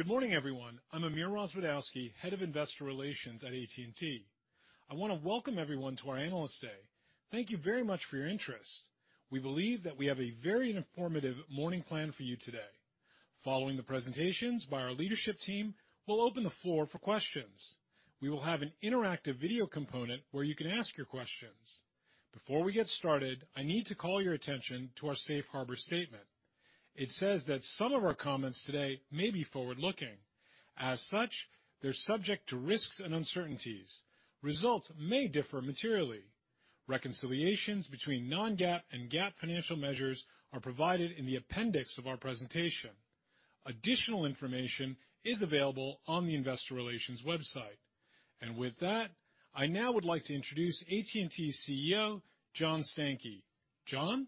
Good morning, everyone. I'm Amir Rozwadowski, Head of Investor Relations at AT&T. I want to welcome everyone to our Analyst Day. Thank you very much for your interest. We believe that we have a very informative morning planned for you today. Following the presentations by our leadership team, we'll open the floor for questions. We will have an interactive video component where you can ask your questions. Before we get started, I need to call your attention to our safe harbor statement. It says that some of our comments today may be forward-looking. As such, they're subject to risks and uncertainties. Results may differ materially. Reconciliations between non-GAAP and GAAP financial measures are provided in the appendix of our presentation. Additional information is available on the Investor Relations website. With that, I now would like to introduce AT&T CEO, John Stankey. John?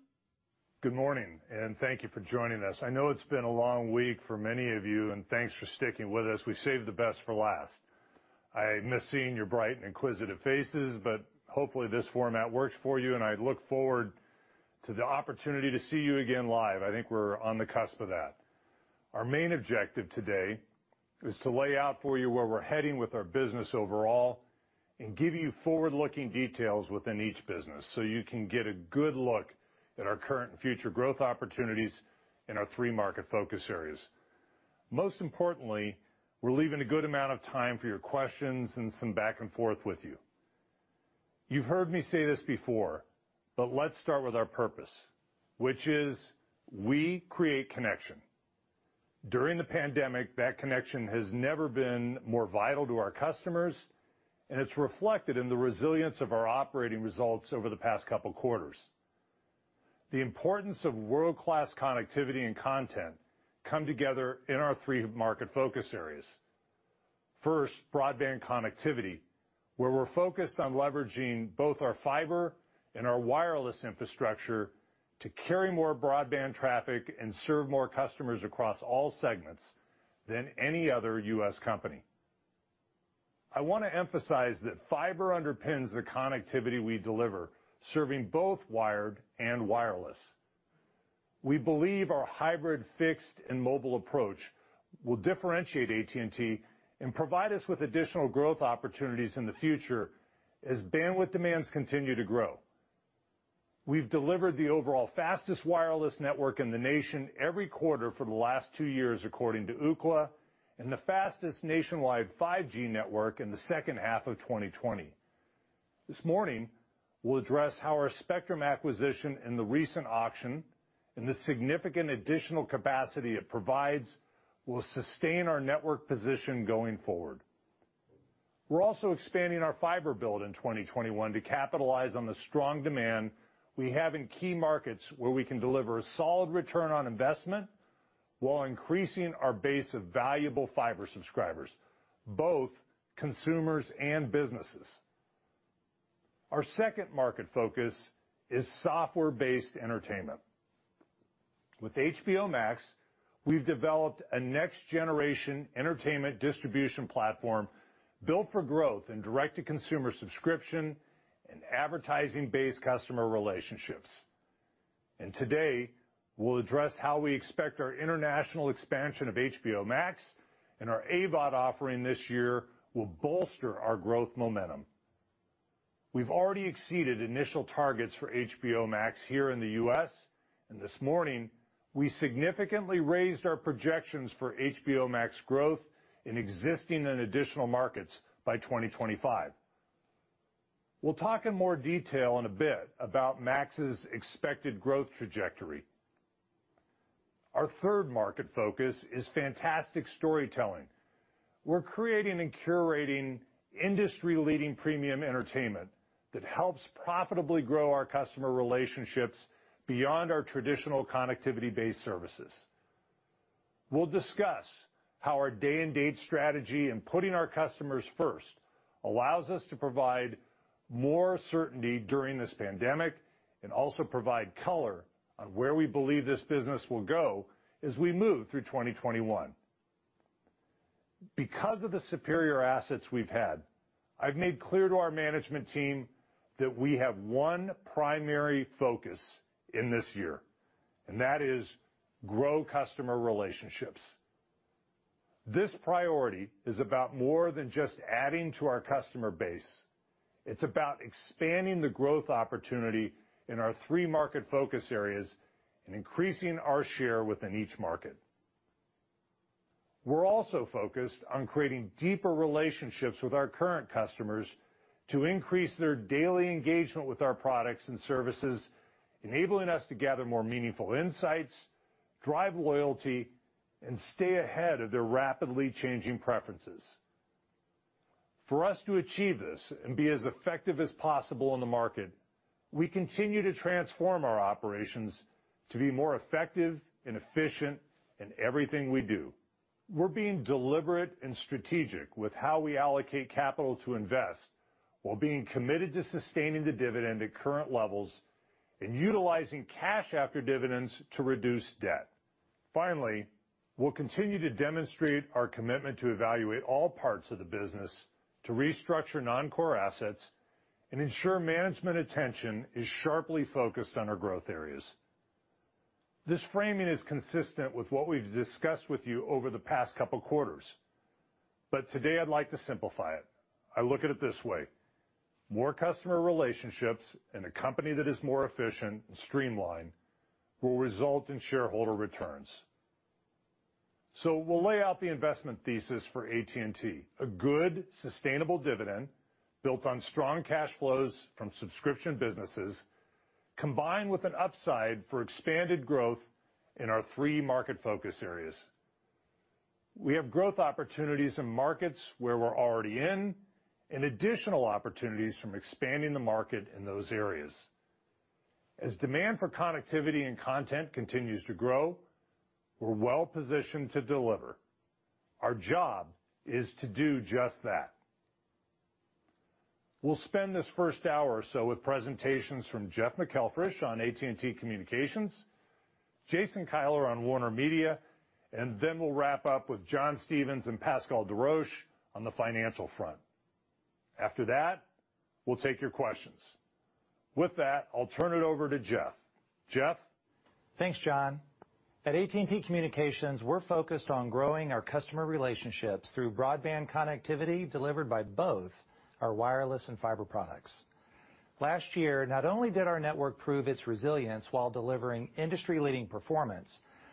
Good morning. Thank you for joining us. I know it's been a long week for many of you. Thanks for sticking with us. We saved the best for last. I miss seeing your bright and inquisitive faces. Hopefully, this format works for you, and I look forward to the opportunity to see you again live. I think we're on the cusp of that. Our main objective today is to lay out for you where we're heading with our business overall and give you forward-looking details within each business so you can get a good look at our current and future growth opportunities in our three market focus areas. Most importantly, we're leaving a good amount of time for your questions and some back and forth with you. You've heard me say this before. Let's start with our purpose, which is we create connection. During the pandemic, that connection has never been more vital to our customers, and it's reflected in the resilience of our operating results over the past couple of quarters. The importance of world-class connectivity and content come together in our three market focus areas. First, broadband connectivity, where we're focused on leveraging both our fiber and our wireless infrastructure to carry more broadband traffic and serve more customers across all segments than any other U.S. company. I want to emphasize that fiber underpins the connectivity we deliver, serving both wired and wireless. We believe our hybrid fixed and mobile approach will differentiate AT&T and provide us with additional growth opportunities in the future as bandwidth demands continue to grow. We've delivered the overall fastest wireless network in the nation every quarter for the last two years, according to Ookla, and the fastest nationwide 5G network in the second half of 2020. This morning, we'll address how our spectrum acquisition in the recent auction and the significant additional capacity it provides will sustain our network position going forward. We're also expanding our fiber build in 2021 to capitalize on the strong demand we have in key markets where we can deliver a solid return on investment while increasing our base of valuable fiber subscribers, both consumers and businesses. Our second market focus is software-based entertainment. With HBO Max, we've developed a next-generation entertainment distribution platform built for growth in direct-to-consumer subscription and advertising-based customer relationships. Today, we'll address how we expect our international expansion of HBO Max and our AVOD offering this year will bolster our growth momentum. We've already exceeded initial targets for HBO Max here in the U.S. This morning, we significantly raised our projections for HBO Max growth in existing and additional markets by 2025. We'll talk in more detail in a bit about Max's expected growth trajectory. Our third market focus is fantastic storytelling. We're creating and curating industry-leading premium entertainment that helps profitably grow our customer relationships beyond our traditional connectivity-based services. We'll discuss how our day-and-date strategy in putting our customers first allows us to provide more certainty during this pandemic and also provide color on where we believe this business will go as we move through 2021. Because of the superior assets we've had, I've made clear to our management team that we have one primary focus in this year, and that is grow customer relationships. This priority is about more than just adding to our customer base. It's about expanding the growth opportunity in our three market focus areas and increasing our share within each market. We're also focused on creating deeper relationships with our current customers to increase their daily engagement with our products and services, enabling us to gather more meaningful insights, drive loyalty, and stay ahead of their rapidly changing preferences. For us to achieve this and be as effective as possible in the market, we continue to transform our operations to be more effective and efficient in everything we do. We're being deliberate and strategic with how we allocate capital to invest while being committed to sustaining the dividend at current levels and utilizing cash after dividends to reduce debt. We'll continue to demonstrate our commitment to evaluate all parts of the business to restructure non-core assets and ensure management attention is sharply focused on our growth areas. This framing is consistent with what we've discussed with you over the past couple quarters. Today I'd like to simplify it. I look at it this way. More customer relationships, and a company that is more efficient and streamlined, will result in shareholder returns. We'll lay out the investment thesis for AT&T. A good, sustainable dividend built on strong cash flows from subscription businesses, combined with an upside for expanded growth in our three market focus areas. We have growth opportunities in markets where we're already in, and additional opportunities from expanding the market in those areas. As demand for connectivity and content continues to grow, we're well-positioned to deliver. Our job is to do just that. We'll spend this first hour or so with presentations from Jeff McElfresh on AT&T Communications, Jason Kilar on WarnerMedia, and then we'll wrap up with John Stephens and Pascal Desroches on the financial front. After that, we'll take your questions. With that, I'll turn it over to Jeff. Jeff? Thanks, John. At AT&T Communications, we're focused on growing our customer relationships through broadband connectivity delivered by both our wireless and fiber products. Last year, not only did our network prove its resilience while delivering industry-leading performance,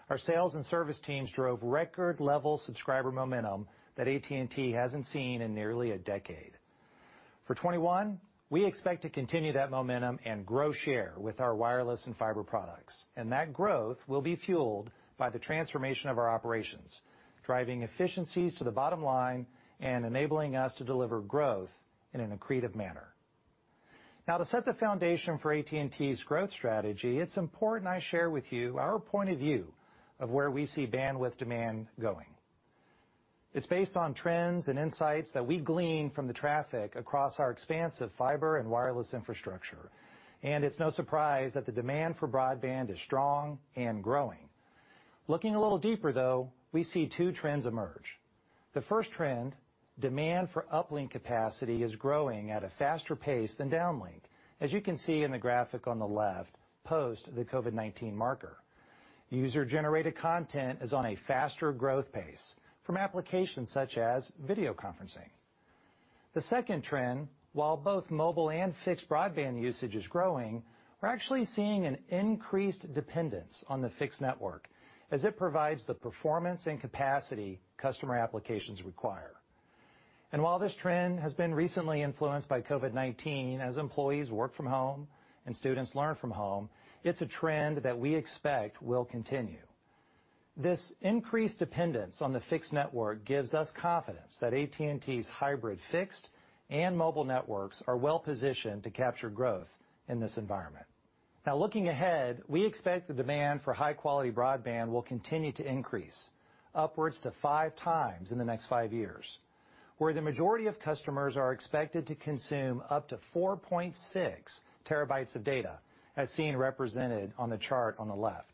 our sales and service teams drove record-level subscriber momentum that AT&T hasn't seen in nearly a decade. For 2021, we expect to continue that momentum and grow share with our wireless and fiber products. That growth will be fueled by the transformation of our operations, driving efficiencies to the bottom line and enabling us to deliver growth in an accretive manner. To set the foundation for AT&T's growth strategy, it's important I share with you our point of view of where we see bandwidth demand going. It's based on trends and insights that we glean from the traffic across our expansive fiber and wireless infrastructure, and it's no surprise that the demand for broadband is strong and growing. Looking a little deeper, though, we see two trends emerge. The first trend, demand for uplink capacity is growing at a faster pace than downlink. As you can see in the graphic on the left, post the COVID-19 marker. User-generated content is on a faster growth pace from applications such as video conferencing. The second trend, while both mobile and fixed broadband usage is growing, we're actually seeing an increased dependence on the fixed network as it provides the performance and capacity customer applications require. While this trend has been recently influenced by COVID-19, as employees work from home and students learn from home, it's a trend that we expect will continue. This increased dependence on the fixed network gives us confidence that AT&T's hybrid fixed and mobile networks are well-positioned to capture growth in this environment. Looking ahead, we expect the demand for high-quality broadband will continue to increase upwards to five times in the next five years, where the majority of customers are expected to consume up to 4.6 TB of data, as seen represented on the chart on the left.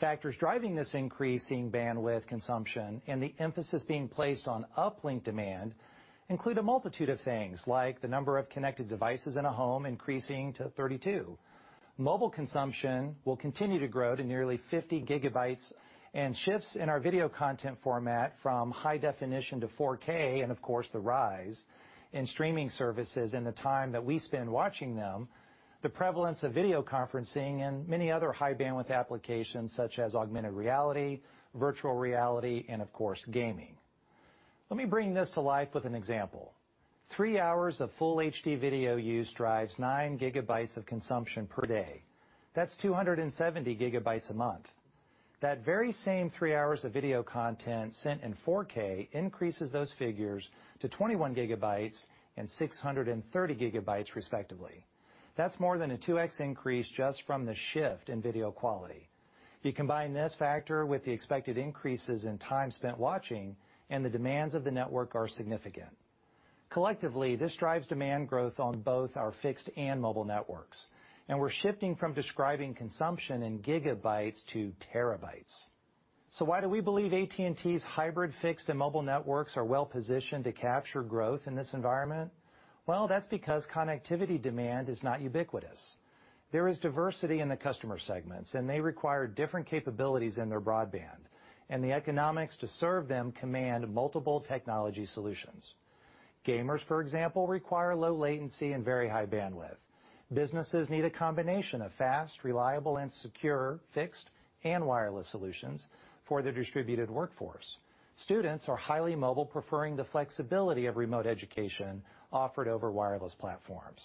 Factors driving this increasing bandwidth consumption and the emphasis being placed on uplink demand include a multitude of things, like the number of connected devices in a home increasing to 32. Mobile consumption will continue to grow to nearly 50 GB, and shifts in our video content format from high definition to 4K, and of course the rise in streaming services and the time that we spend watching them, the prevalence of video conferencing, and many other high-bandwidth applications such as augmented reality, virtual reality, and of course, gaming. Let me bring this to life with an example. three hours of full HD video use drives 9 GB of consumption per day. That's 270 GB a month. That very same three hours of video content sent in 4K increases those figures to 21 GB and 630 GB respectively. That's more than a 2x increase just from the shift in video quality. You combine this factor with the expected increases in time spent watching, and the demands of the network are significant. Collectively, this drives demand growth on both our fixed and mobile networks, and we're shifting from describing consumption in gigabytes to terabytes. Why do we believe AT&T's hybrid fixed and mobile networks are well-positioned to capture growth in this environment? Well, that's because connectivity demand is not ubiquitous. There is diversity in the customer segments, and they require different capabilities in their broadband, and the economics to serve them command multiple technology solutions. Gamers, for example, require low latency and very high bandwidth. Businesses need a combination of fast, reliable, and secure fixed and wireless solutions for their distributed workforce. Students are highly mobile, preferring the flexibility of remote education offered over wireless platforms.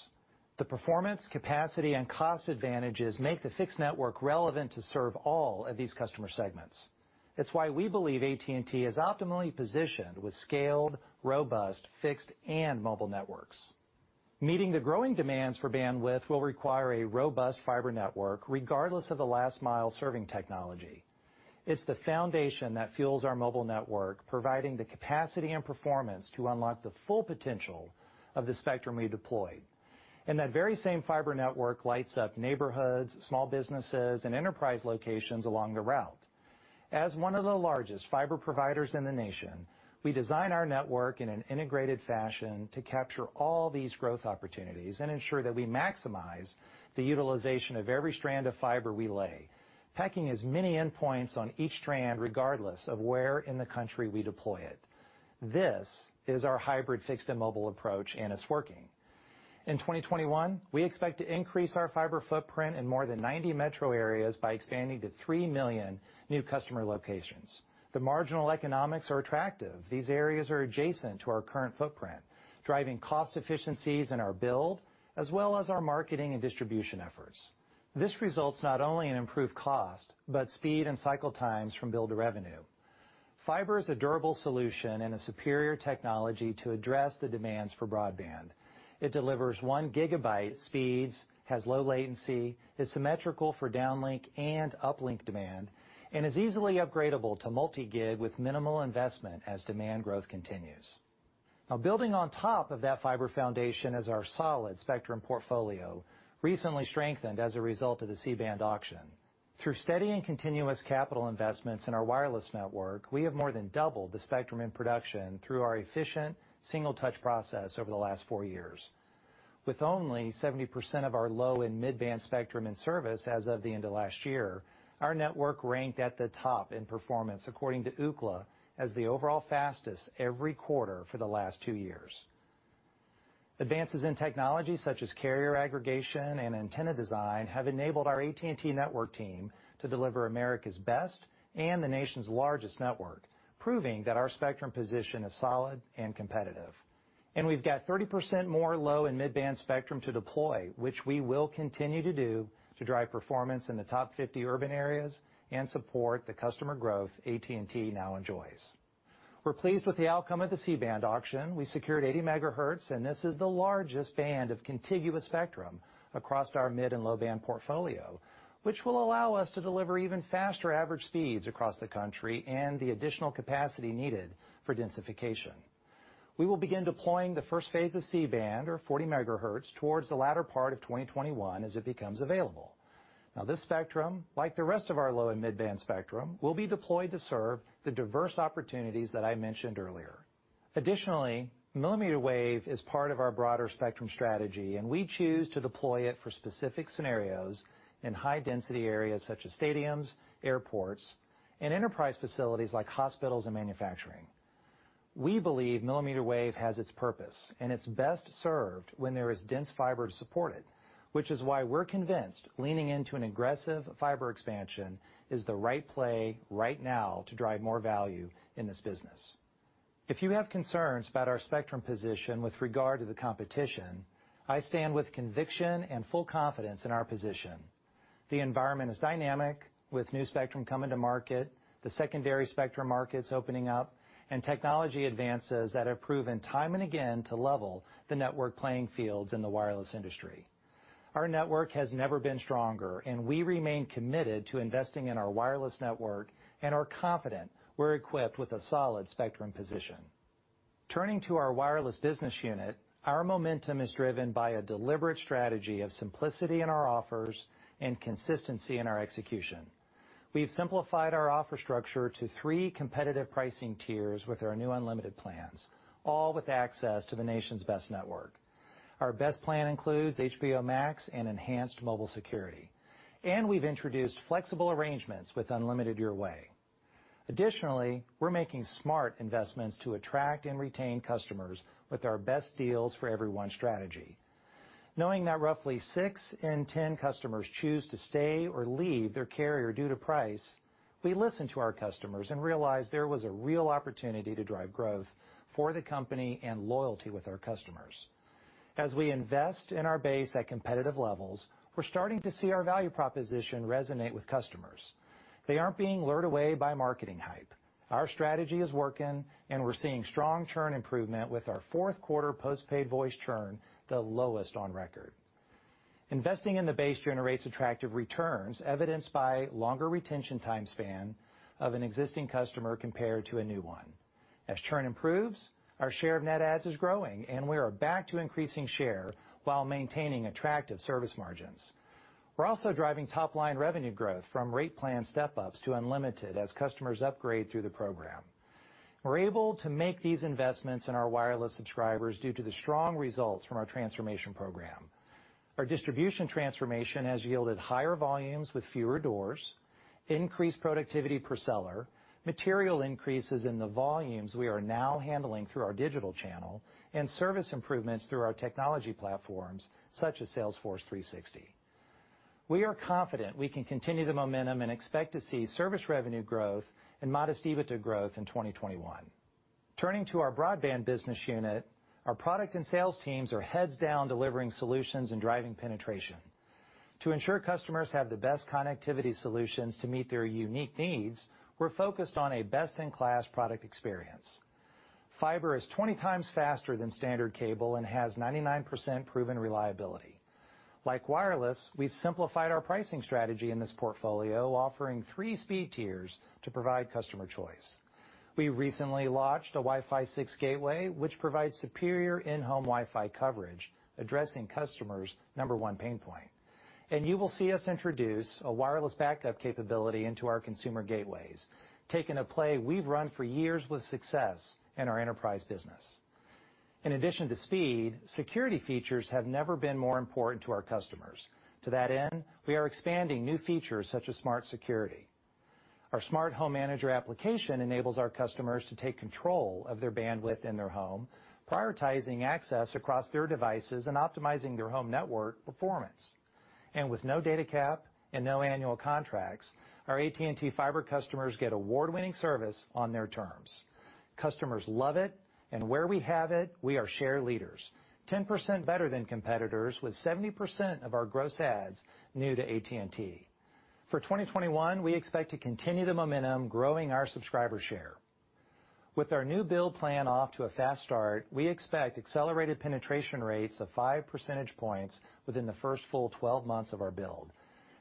The performance, capacity, and cost advantages make the fixed network relevant to serve all of these customer segments. It's why we believe AT&T is optimally positioned with scaled, robust fixed and mobile networks. Meeting the growing demands for bandwidth will require a robust fiber network, regardless of the last-mile serving technology. It's the foundation that fuels our mobile network, providing the capacity and performance to unlock the full potential of the spectrum we deploy. That very same fiber network lights up neighborhoods, small businesses, and enterprise locations along the route. As one of the largest fiber providers in the nation, we design our network in an integrated fashion to capture all these growth opportunities and ensure that we maximize the utilization of every strand of fiber we lay, packing as many endpoints on each strand, regardless of where in the country we deploy it. This is our hybrid fixed and mobile approach, and it's working. In 2021, we expect to increase our fiber footprint in more than 90 metro areas by expanding to 3 million new customer locations. The marginal economics are attractive. These areas are adjacent to our current footprint, driving cost efficiencies in our build, as well as our marketing and distribution efforts. This results not only in improved cost, but speed and cycle times from build to revenue. Fiber is a durable solution and a superior technology to address the demands for broadband. It delivers 1 GB speeds, has low latency, is symmetrical for downlink and uplink demand, and is easily upgradable to multi-gig with minimal investment as demand growth continues. Building on top of that fiber foundation is our solid spectrum portfolio, recently strengthened as a result of the C-band auction. Through steady and continuous capital investments in our wireless network, we have more than doubled the spectrum in production through our efficient single-touch process over the last four years. With only 70% of our low and mid-band spectrum in service as of the end of last year, our network ranked at the top in performance, according to Ookla, as the overall fastest every quarter for the last two years. Advances in technology such as carrier aggregation and antenna design have enabled our AT&T network team to deliver America's best and the nation's largest network, proving that our spectrum position is solid and competitive. We've got 30% more low and mid-band spectrum to deploy, which we will continue to do to drive performance in the top 50 urban areas and support the customer growth AT&T now enjoys. We're pleased with the outcome of the C-band auction. We secured 80 MHz, and this is the largest band of contiguous spectrum across our mid and low-band portfolio, which will allow us to deliver even faster average speeds across the country and the additional capacity needed for densification. We will begin deploying the first phase of C-band, or 40 MHz, towards the latter part of 2021 as it becomes available. Now this spectrum, like the rest of our low and mid-band spectrum, will be deployed to serve the diverse opportunities that I mentioned earlier. Additionally, millimeter wave is part of our broader spectrum strategy, and we choose to deploy it for specific scenarios in high-density areas such as stadiums, airports, and enterprise facilities like hospitals and manufacturing. We believe millimeter wave has its purpose, and it's best served when there is dense fiber to support it, which is why we're convinced leaning into an aggressive fiber expansion is the right play right now to drive more value in this business. If you have concerns about our spectrum position with regard to the competition, I stand with conviction and full confidence in our position. The environment is dynamic with new spectrum coming to market, the secondary spectrum markets opening up, and technology advances that have proven time and again to level the network playing fields in the wireless industry. Our network has never been stronger, and we remain committed to investing in our wireless network and are confident we're equipped with a solid spectrum position. Turning to our Wireless business unit, our momentum is driven by a deliberate strategy of simplicity in our offers and consistency in our execution. We've simplified our offer structure to 3 competitive pricing tiers with our new unlimited plans, all with access to the nation's best network. Our best plan includes HBO Max and enhanced mobile security, and we've introduced flexible arrangements with Unlimited Your Way. Additionally, we're making smart investments to attract and retain customers with our best deals for everyone strategy. Knowing that roughly 6 in 10 customers choose to stay or leave their carrier due to price, we listened to our customers and realized there was a real opportunity to drive growth for the company and loyalty with our customers. As we invest in our base at competitive levels, we're starting to see our value proposition resonate with customers. They aren't being lured away by marketing hype. Our strategy is working, and we're seeing strong churn improvement with our fourth quarter postpaid voice churn the lowest on record. Investing in the base generates attractive returns evidenced by longer retention time span of an existing customer compared to a new one. As churn improves, our share of net adds is growing, and we are back to increasing share while maintaining attractive service margins. We're also driving top-line revenue growth from rate plan step-ups to unlimited as customers upgrade through the program. We're able to make these investments in our wireless subscribers due to the strong results from our transformation program. Our distribution transformation has yielded higher volumes with fewer doors, increased productivity per seller, material increases in the volumes we are now handling through our digital channel, and service improvements through our technology platforms such as Salesforce 360. We are confident we can continue the momentum and expect to see service revenue growth and modest EBITDA growth in 2021. Turning to our Broadband business unit, our product and sales teams are heads down delivering solutions and driving penetration. To ensure customers have the best connectivity solutions to meet their unique needs, we're focused on a best-in-class product experience. Fiber is 20 times faster than standard cable and has 99% proven reliability. Like wireless, we've simplified our pricing strategy in this portfolio, offering 3 speed tiers to provide customer choice. We recently launched a Wi-Fi 6 gateway, which provides superior in-home Wi-Fi coverage, addressing customers' number 1 pain point. You will see us introduce a wireless backup capability into our consumer gateways, taking a play we've run for years with success in our enterprise business. In addition to speed, security features have never been more important to our customers. To that end, we are expanding new features such as Smart Security. Our Smart Home Manager application enables our customers to take control of their bandwidth in their home, prioritizing access across their devices and optimizing their home network performance. With no data cap and no annual contracts, our AT&T Fiber customers get award-winning service on their terms. Customers love it, where we have it, we are share leaders, 10% better than competitors, with 70% of our gross adds new to AT&T. For 2021, we expect to continue the momentum, growing our subscriber share. With our new build plan off to a fast start, we expect accelerated penetration rates of 5 percentage points within the first full 12 months of our build.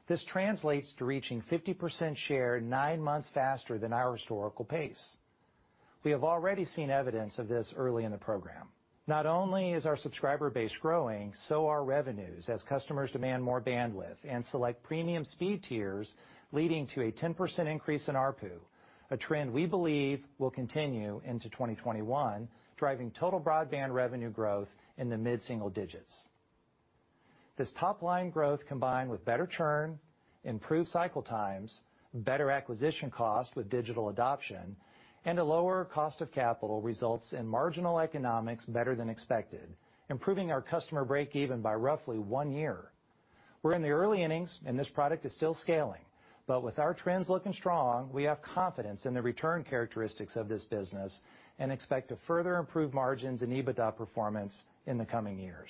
This translates to reaching 50% share nine months faster than our historical pace. We have already seen evidence of this early in the program. Not only is our subscriber base growing, so are revenues, as customers demand more bandwidth and select premium speed tiers, leading to a 10% increase in ARPU, a trend we believe will continue into 2021, driving total broadband revenue growth in the mid-single digits. This top-line growth, combined with better churn, improved cycle times, better acquisition cost with digital adoption, and a lower cost of capital, results in marginal economics better than expected, improving our customer breakeven by roughly one year. We're in the early innings. This product is still scaling. With our trends looking strong, we have confidence in the return characteristics of this business and expect to further improve margins and EBITDA performance in the coming years.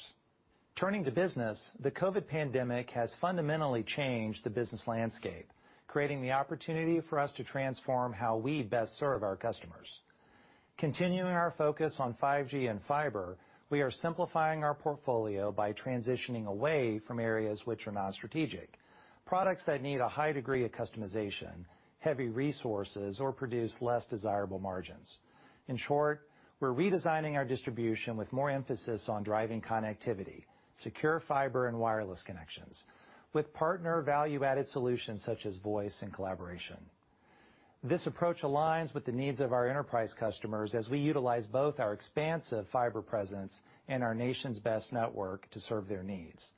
Turning to business, the COVID pandemic has fundamentally changed the business landscape, creating the opportunity for us to transform how we best serve our customers. Continuing our focus on 5G and fiber, we are simplifying our portfolio by transitioning away from areas which are non-strategic, products that need a high degree of customization, heavy resources, or produce less desirable margins. In short, we're redesigning our distribution with more emphasis on driving connectivity, secure fiber, and wireless connections, with partner value-added solutions such as voice and collaboration. This approach aligns with the needs of our enterprise customers as we utilize both our expansive fiber presence and our nation's best network to serve their needs.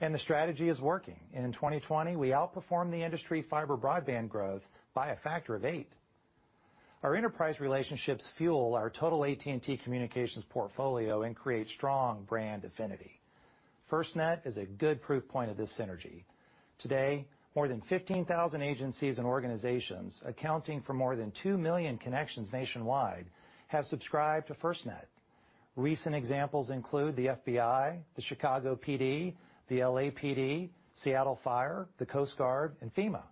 The strategy is working. In 2020, we outperformed the industry fiber broadband growth by a factor of eight. Our enterprise relationships fuel our total AT&T Communications portfolio and create strong brand affinity. FirstNet is a good proof point of this synergy. Today, more than 15,000 agencies and organizations, accounting for more than 2 million connections nationwide, have subscribed to FirstNet. Recent examples include the FBI, the Chicago PD, the LAPD, Seattle Fire, the Coast Guard, and FEMA.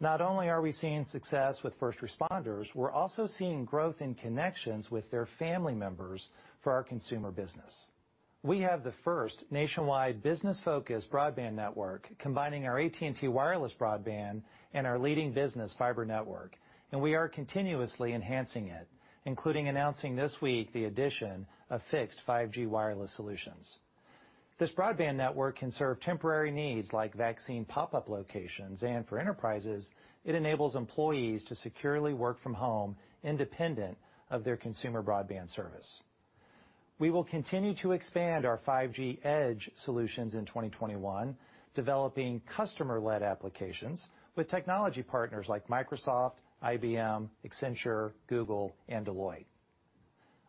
Not only are we seeing success with first responders, we're also seeing growth in connections with their family members for our consumer business. We have the first nationwide business-focused broadband network, combining our AT&T wireless broadband and our leading business fiber network, and we are continuously enhancing it, including announcing this week the addition of fixed 5G wireless solutions. This broadband network can serve temporary needs like vaccine pop-up locations, and for enterprises, it enables employees to securely work from home independent of their consumer broadband service. We will continue to expand our 5G Edge solutions in 2021, developing customer-led applications with technology partners like Microsoft, IBM, Accenture, Google, and Deloitte.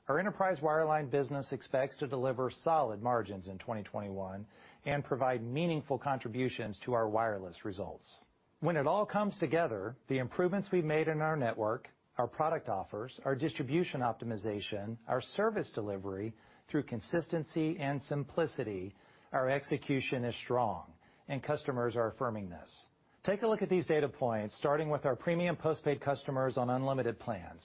Our enterprise wireline business expects to deliver solid margins in 2021 and provide meaningful contributions to our wireless results. When it all comes together, the improvements we've made in our network, our product offers, our distribution optimization, our service delivery through consistency and simplicity, our execution is strong, and customers are affirming this. Take a look at these data points, starting with our premium postpaid customers on unlimited plans.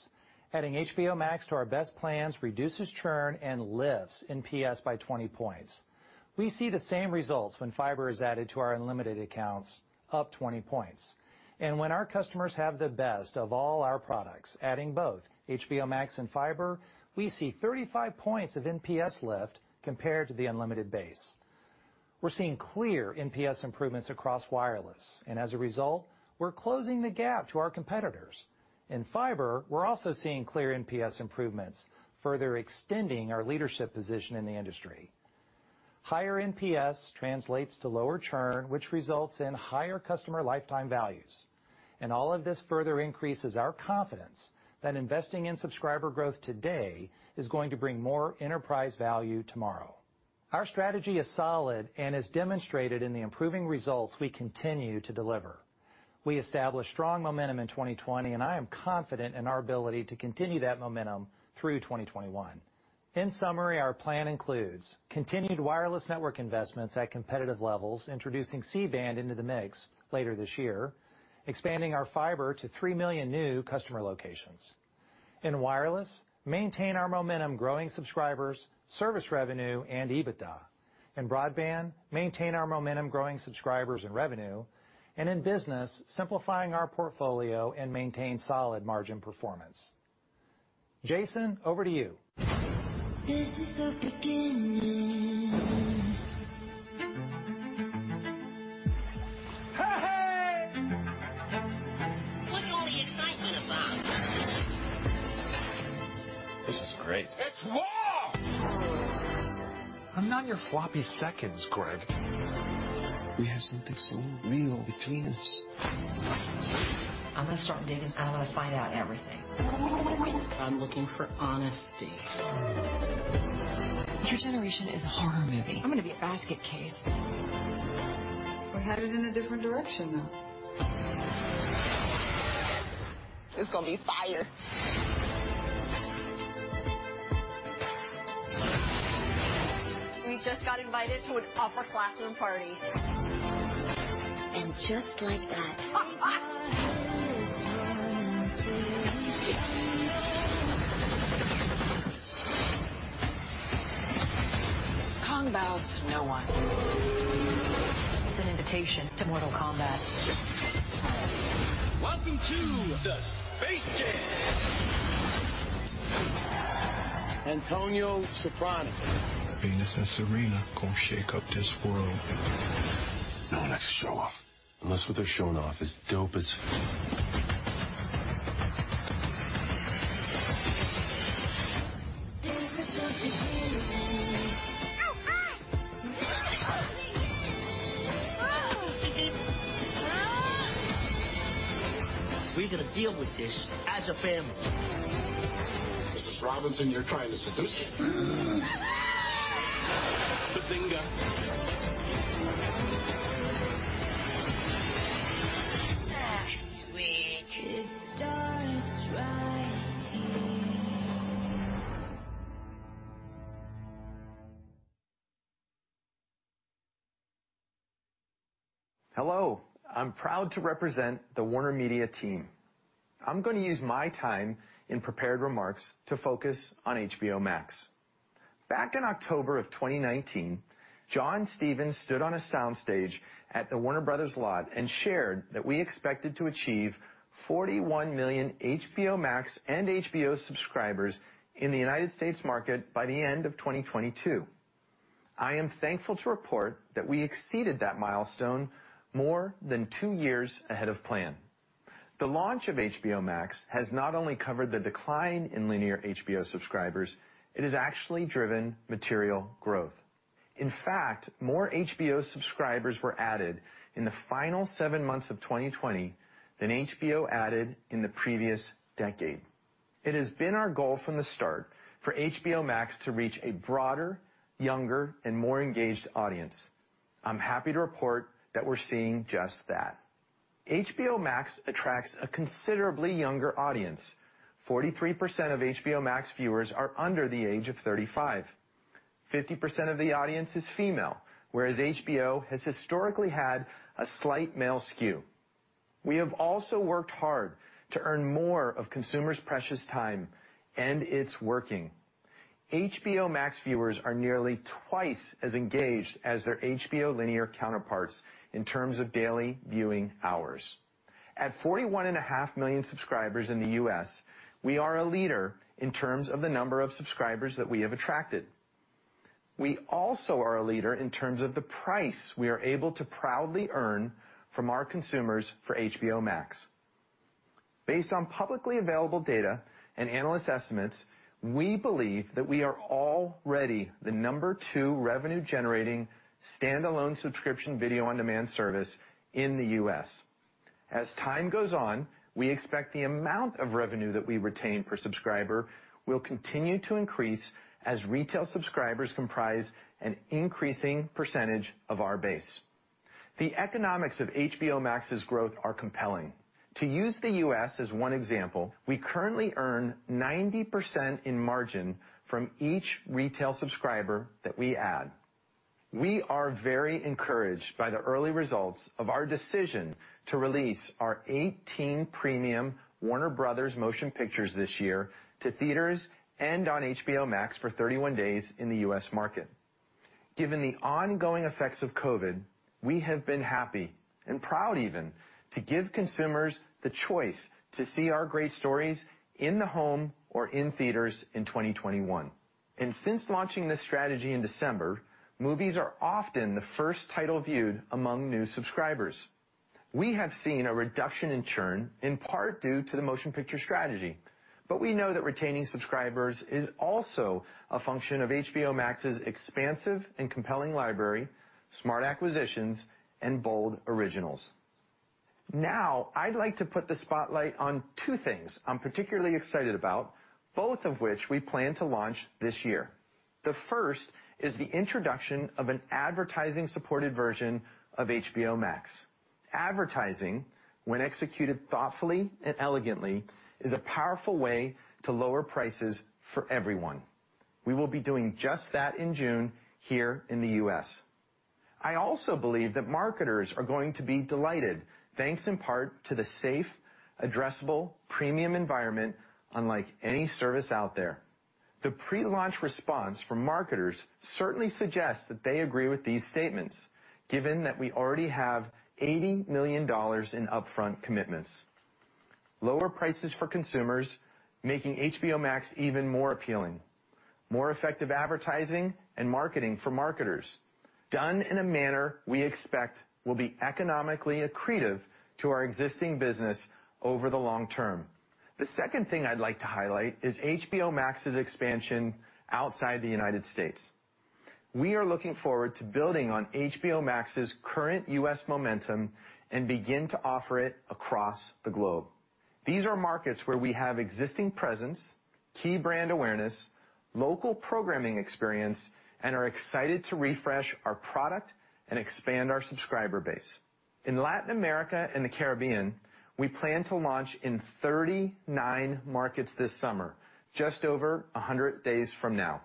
Adding HBO Max to our best plans reduces churn and lifts NPS by 20 points. We see the same results when fiber is added to our unlimited accounts, up 20 points. When our customers have the best of all our products, adding both HBO Max and fiber, we see 35 points of NPS lift compared to the unlimited base. We're seeing clear NPS improvements across wireless, and as a result, we're closing the gap to our competitors. In fiber, we're also seeing clear NPS improvements, further extending our leadership position in the industry. Higher NPS translates to lower churn, which results in higher customer lifetime values. All of this further increases our confidence that investing in subscriber growth today is going to bring more enterprise value tomorrow. Our strategy is solid and is demonstrated in the improving results we continue to deliver. We established strong momentum in 2020, and I am confident in our ability to continue that momentum through 2021. In summary, our plan includes continued wireless network investments at competitive levels, introducing C-band into the mix later this year, expanding our fiber to 3 million new customer locations. In wireless, maintain our momentum growing subscribers, service revenue, and EBITDA. In broadband, maintain our momentum growing subscribers and revenue, and in business, simplifying our portfolio and maintain solid margin performance. Jason, over to you. Hello. I'm proud to represent the WarnerMedia team. I'm gonna use my time in prepared remarks to focus on HBO Max. Back in October of 2019, John Stephens stood on a sound stage at the Warner Bros. lot and shared that we expected to achieve 41 million HBO Max and HBO subscribers in the United States market by the end of 2022. I am thankful to report that we exceeded that milestone more than two years ahead of plan. The launch of HBO Max has not only covered the decline in linear HBO subscribers, it has actually driven material growth. In fact, more HBO subscribers were added in the final seven months of 2020 than HBO added in the previous decade. It has been our goal from the start for HBO Max to reach a broader, younger, and more engaged audience. I'm happy to report that we're seeing just that. HBO Max attracts a considerably younger audience. 43% of HBO Max viewers are under the age of 35. 50% of the audience is female, whereas HBO has historically had a slight male skew. We have also worked hard to earn more of consumers' precious time, and it's working. HBO Max viewers are nearly twice as engaged as their HBO linear counterparts in terms of daily viewing hours. At 41.5 million subscribers in the U.S., we are a leader in terms of the number of subscribers that we have attracted. We also are a leader in terms of the price we are able to proudly earn from our consumers for HBO Max. Based on publicly available data and analyst estimates, we believe that we are already the number 2 revenue-generating standalone subscription video on-demand service in the U.S. As time goes on, we expect the amount of revenue that we retain per subscriber will continue to increase as retail subscribers comprise an increasing percentage of our base. The economics of HBO Max's growth are compelling. To use the U.S. as one example, we currently earn 90% in margin from each retail subscriber that we add. We are very encouraged by the early results of our decision to release our 18 premium Warner Bros. motion pictures this year to theaters and on HBO Max for 31 days in the U.S. market. Given the ongoing effects of COVID, we have been happy and proud even to give consumers the choice to see our great stories in the home or in theaters in 2021. Since launching this strategy in December, movies are often the first title viewed among new subscribers. We have seen a reduction in churn, in part due to the motion picture strategy. We know that retaining subscribers is also a function of HBO Max's expansive and compelling library, smart acquisitions, and bold originals. I'd like to put the spotlight on two things I'm particularly excited about, both of which we plan to launch this year. The first is the introduction of an advertising-supported version of HBO Max. Advertising, when executed thoughtfully and elegantly, is a powerful way to lower prices for everyone. We will be doing just that in June here in the U.S. I also believe that marketers are going to be delighted, thanks in part to the safe, addressable, premium environment, unlike any service out there. The pre-launch response from marketers certainly suggests that they agree with these statements, given that we already have $80 million in upfront commitments. Lower prices for consumers, making HBO Max even more appealing, more effective advertising and marketing for marketers, done in a manner we expect will be economically accretive to our existing business over the long term. The second thing I'd like to highlight is HBO Max's expansion outside the United States. We are looking forward to building on HBO Max's current U.S. momentum and begin to offer it across the globe. These are markets where we have existing presence, key brand awareness, local programming experience, and are excited to refresh our product and expand our subscriber base. In Latin America and the Caribbean, we plan to launch in 39 markets this summer, just over 100 days from now.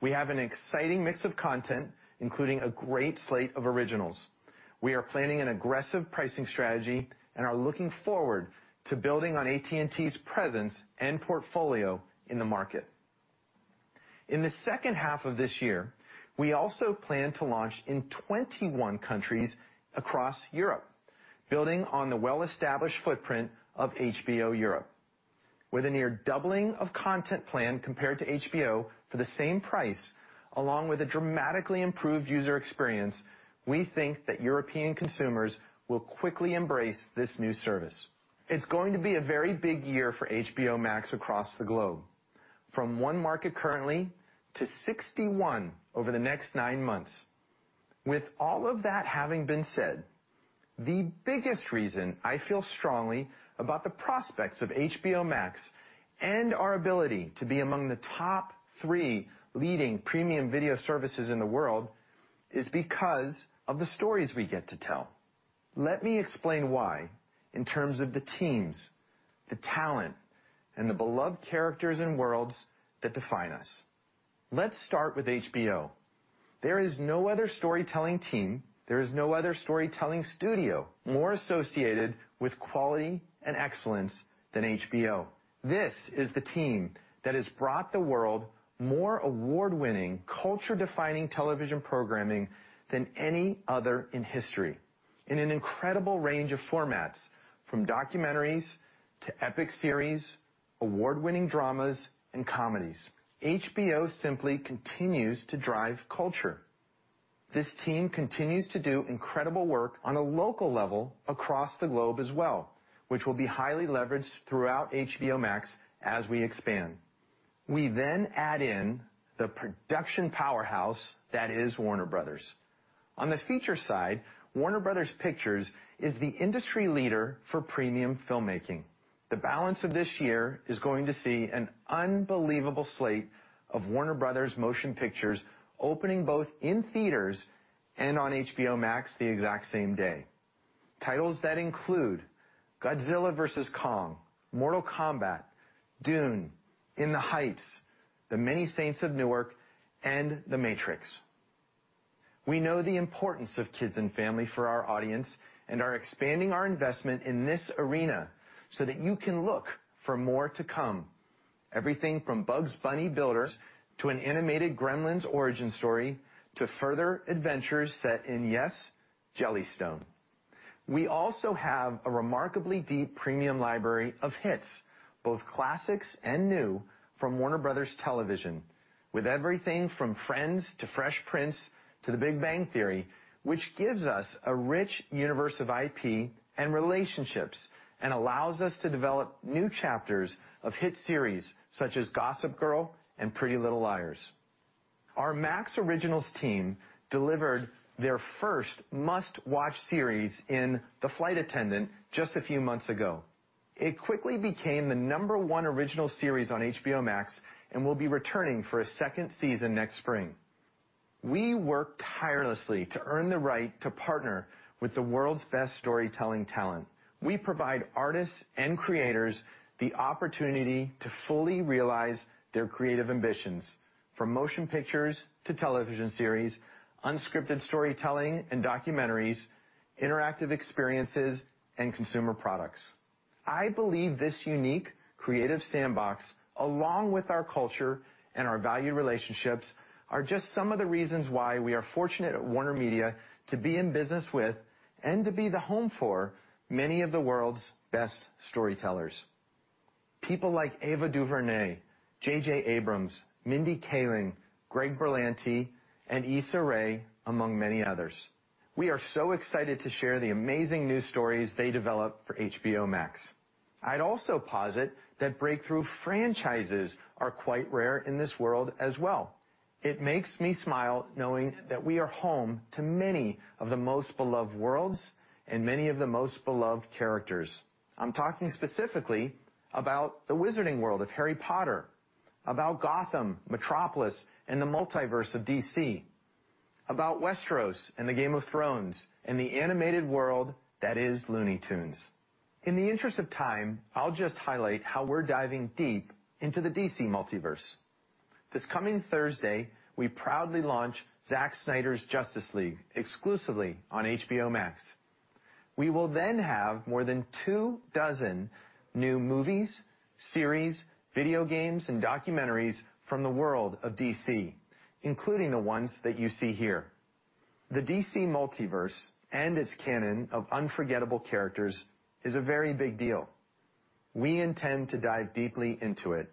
We have an exciting mix of content, including a great slate of originals. We are planning an aggressive pricing strategy and are looking forward to building on AT&T's presence and portfolio in the market. In the second half of this year, we also plan to launch in 21 countries across Europe, building on the well-established footprint of HBO Europe. With a near doubling of content plan compared to HBO for the same price, along with a dramatically improved user experience, we think that European consumers will quickly embrace this new service. It's going to be a very big year for HBO Max across the globe, from one market currently to 61 over the next nine months. With all of that having been said, the biggest reason I feel strongly about the prospects of HBO Max and our ability to be among the top three leading premium video services in the world is because of the stories we get to tell. Let me explain why, in terms of the teams, the talent, and the beloved characters and worlds that define us. Let's start with HBO. There is no other storytelling team, there is no other storytelling studio more associated with quality and excellence than HBO. This is the team that has brought the world more award-winning, culture-defining television programming than any other in history, in an incredible range of formats, from documentaries to epic series, award-winning dramas, and comedies. HBO simply continues to drive culture. This team continues to do incredible work on a local level across the globe as well, which will be highly leveraged throughout HBO Max as we expand. We then add in the production powerhouse that is Warner Bros. On the feature side, Warner Bros. Pictures is the industry leader for premium filmmaking. The balance of this year is going to see an unbelievable slate of Warner Bros. motion pictures opening both in theaters and on HBO Max the exact same day. Titles that include "Godzilla vs. Kong," "Mortal Kombat," "Dune," "In the Heights," "The Many Saints of Newark" and "The Matrix." We know the importance of kids and family for our audience and are expanding our investment in this arena so that you can look for more to come. Everything from Bugs Bunny Builders to an animated Gremlins origin story, to further adventures set in, yes, Jellystone! We also have a remarkably deep premium library of hits, both classics and new, from Warner Bros. Television, with everything from "Friends" to "Fresh Prince" to "The Big Bang Theory," which gives us a rich universe of IP and relationships and allows us to develop new chapters of hit series such as "Gossip Girl" and "Pretty Little Liars." Our Max originals team delivered their first must-watch series in "The Flight Attendant" just a few months ago. It quickly became the number 1 original series on HBO Max and will be returning for a second season next spring. We work tirelessly to earn the right to partner with the world's best storytelling talent. We provide artists and creators the opportunity to fully realize their creative ambitions, from motion pictures to television series, unscripted storytelling and documentaries, interactive experiences, and consumer products. I believe this unique creative sandbox, along with our culture and our valued relationships, are just some of the reasons why we are fortunate at WarnerMedia to be in business with, and to be the home for, many of the world's best storytellers. People like Ava DuVernay, J.J. Abrams, Mindy Kaling, Greg Berlanti, and Issa Rae, among many others. We are so excited to share the amazing new stories they develop for HBO Max. I'd also posit that breakthrough franchises are quite rare in this world as well. It makes me smile knowing that we are home to many of the most beloved worlds and many of the most beloved characters. I'm talking specifically about the wizarding world of Harry Potter, about Gotham, Metropolis, and the multiverse of DC, about Westeros and the Game of Thrones, and the animated world that is Looney Tunes. In the interest of time, I'll just highlight how we're diving deep into the DC multiverse. This coming Thursday, we proudly launch Zack Snyder's Justice League, exclusively on HBO Max. We will have more than two dozen new movies, series, video games, and documentaries from the world of DC, including the ones that you see here. The DC multiverse and its canon of unforgettable characters is a very big deal. We intend to dive deeply into it,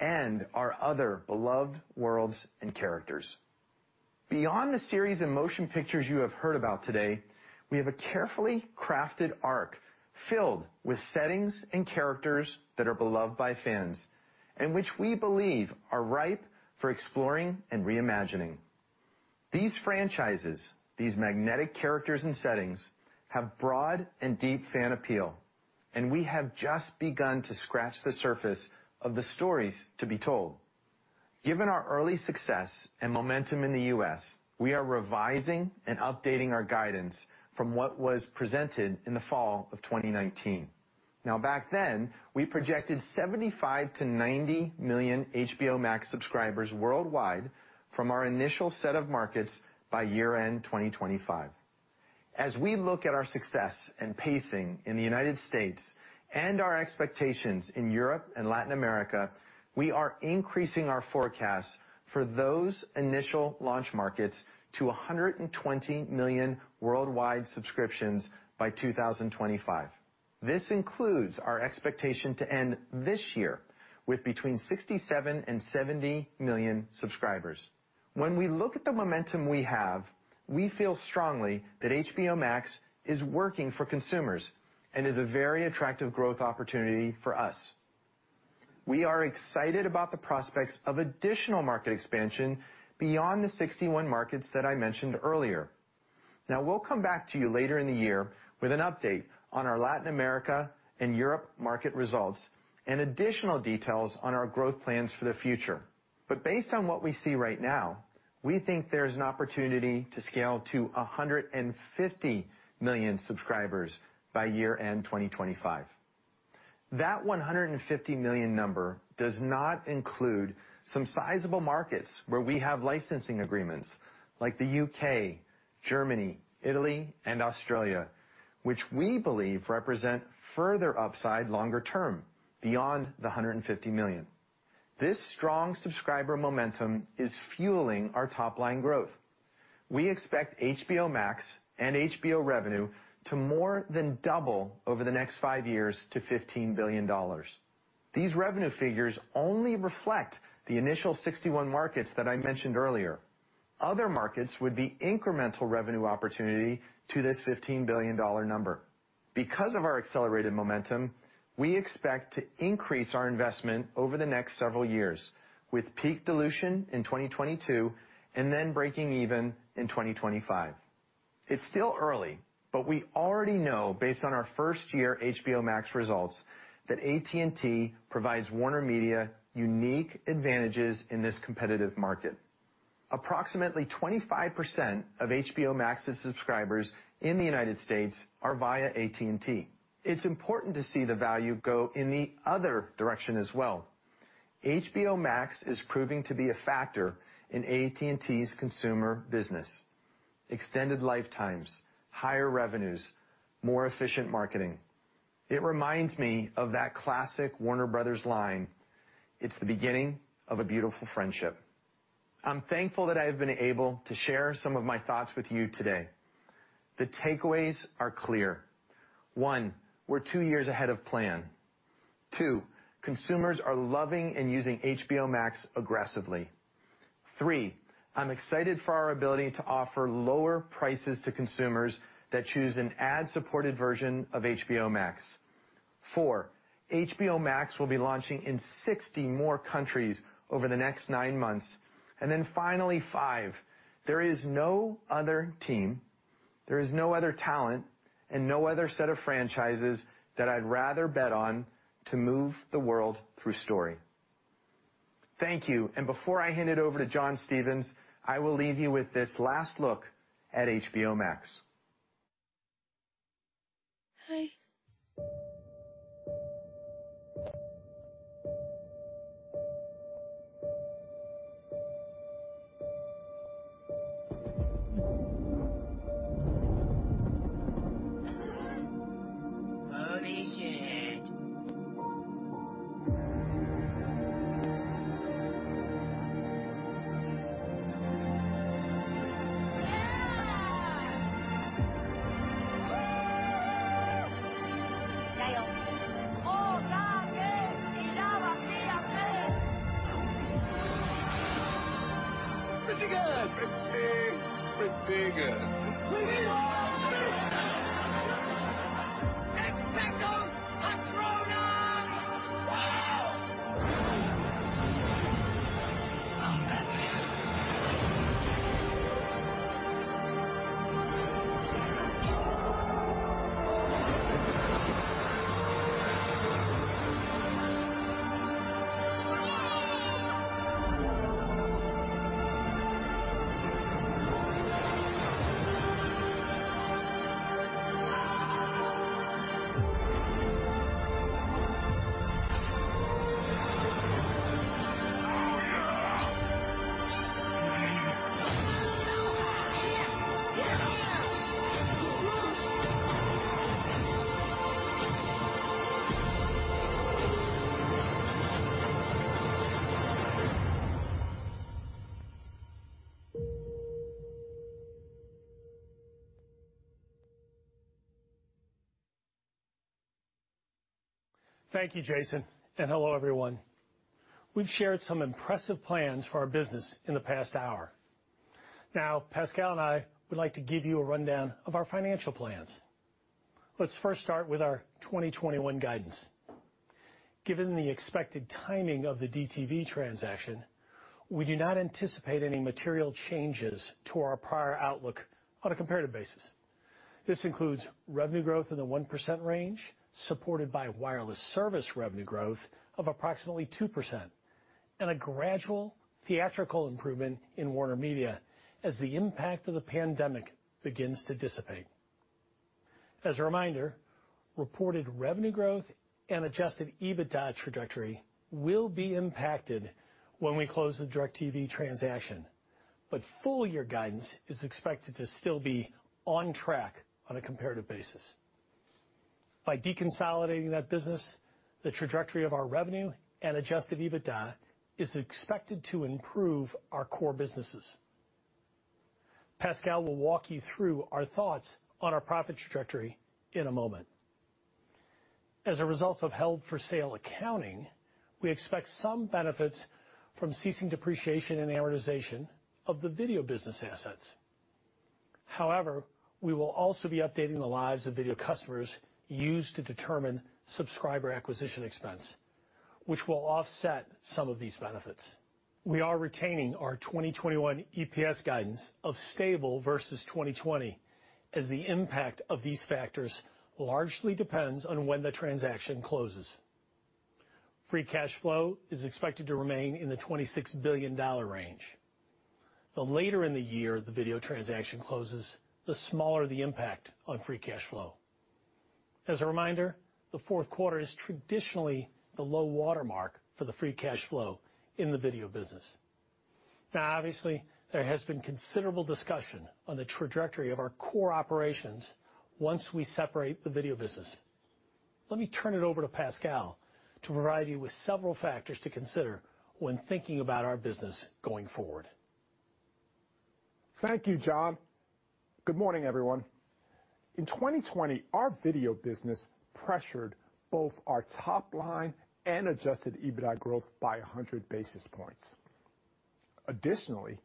and our other beloved worlds and characters. Beyond the series of motion pictures you have heard about today, we have a carefully crafted arc filled with settings and characters that are beloved by fans, and which we believe are ripe for exploring and reimagining. These franchises, these magnetic characters and settings, have broad and deep fan appeal, and we have just begun to scratch the surface of the stories to be told. Given our early success and momentum in the U.S., we are revising and updating our guidance from what was presented in the fall of 2019. Now, back then, we projected 75 million-90 million HBO Max subscribers worldwide from our initial set of markets by year-end 2025. As we look at our success and pacing in the United States and our expectations in Europe and Latin America, we are increasing our forecast for those initial launch markets to 120 million worldwide subscriptions by 2025. This includes our expectation to end this year with between 67 and 70 million subscribers. When we look at the momentum we have, we feel strongly that HBO Max is working for consumers and is a very attractive growth opportunity for us. We are excited about the prospects of additional market expansion beyond the 61 markets that I mentioned earlier. We'll come back to you later in the year with an update on our Latin America and Europe market results and additional details on our growth plans for the future. Based on what we see right now, we think there's an opportunity to scale to 150 million subscribers by year-end 2025. That 150 million number does not include some sizable markets where we have licensing agreements, like the U.K., Germany, Italy, and Australia, which we believe represent further upside longer term, beyond the 150 million. This strong subscriber momentum is fueling our top-line growth. We expect HBO Max and HBO revenue to more than double over the next 5 years to $15 billion. These revenue figures only reflect the initial 61 markets that I mentioned earlier. Other markets would be incremental revenue opportunity to this $15 billion number. Our accelerated momentum, we expect to increase our investment over the next several years, with peak dilution in 2022 and then breaking even in 2025. It's still early, but we already know based on our first-year HBO Max results that AT&T provides WarnerMedia unique advantages in this competitive market. Approximately 25% of HBO Max's subscribers in the U.S. are via AT&T. It's important to see the value go in the other direction as well. HBO Max is proving to be a factor in AT&T's consumer business. Extended lifetimes, higher revenues, more efficient marketing. It reminds me of that classic Warner Bros. line, "It's the beginning of a beautiful friendship." I'm thankful that I've been able to share some of my thoughts with you today. The takeaways are clear. One, we're two years ahead of plan. Two, consumers are loving and using HBO Max aggressively. Three, I'm excited for our ability to offer lower prices to consumers that choose an ad-supported version of HBO Max. Four, HBO Max will be launching in 60 more countries over the next nine months. Finally, five, there is no other team, there is no other talent, and no other set of franchises that I'd rather bet on to move the world through story. Thank you, and before I hand it over to John Stephens, I will leave you with this last look at HBO Max. Thank you, Jason. Hello, everyone. We've shared some impressive plans for our business in the past hour. Pascal and I would like to give you a rundown of our financial plans. Let's first start with our 2021 guidance. Given the expected timing of the DTV transaction, we do not anticipate any material changes to our prior outlook on a comparative basis. This includes revenue growth in the 1% range, supported by wireless service revenue growth of approximately 2%, and a gradual theatrical improvement in WarnerMedia as the impact of the pandemic begins to dissipate. As a reminder, reported revenue growth and adjusted EBITDA trajectory will be impacted when we close the DIRECTV transaction. Full-year guidance is expected to still be on track on a comparative basis. By deconsolidating that business, the trajectory of our revenue and adjusted EBITDA is expected to improve our core businesses. Pascal will walk you through our thoughts on our profit trajectory in a moment. As a result of held-for-sale accounting, we expect some benefits from ceasing depreciation and amortization of the video business assets. However, we will also be updating the lives of video customers used to determine subscriber acquisition expense, which will offset some of these benefits. We are retaining our 2021 EPS guidance of stable versus 2020, as the impact of these factors largely depends on when the transaction closes. Free cash flow is expected to remain in the $26 billion range. The later in the year the video transaction closes, the smaller the impact on free cash flow. As a reminder, the fourth quarter is traditionally the low water mark for the free cash flow in the video business. Obviously, there has been considerable discussion on the trajectory of our core operations once we separate the video business. Let me turn it over to Pascal to provide you with several factors to consider when thinking about our business going forward. Thank you, John. Good morning, everyone. In 2020, our video business pressured both our top line and adjusted EBITDA growth by 100 basis points. Additionally,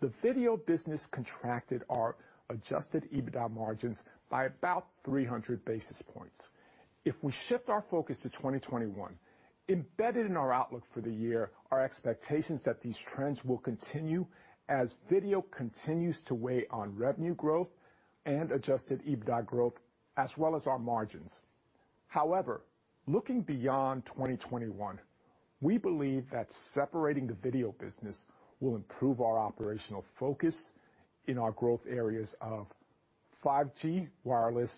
the video business contracted our adjusted EBITDA margins by about 300 basis points. If we shift our focus to 2021, embedded in our outlook for the year are expectations that these trends will continue as video continues to weigh on revenue growth and adjusted EBITDA growth, as well as our margins. Looking beyond 2021, we believe that separating the video business will improve our operational focus in our growth areas of 5G, wireless,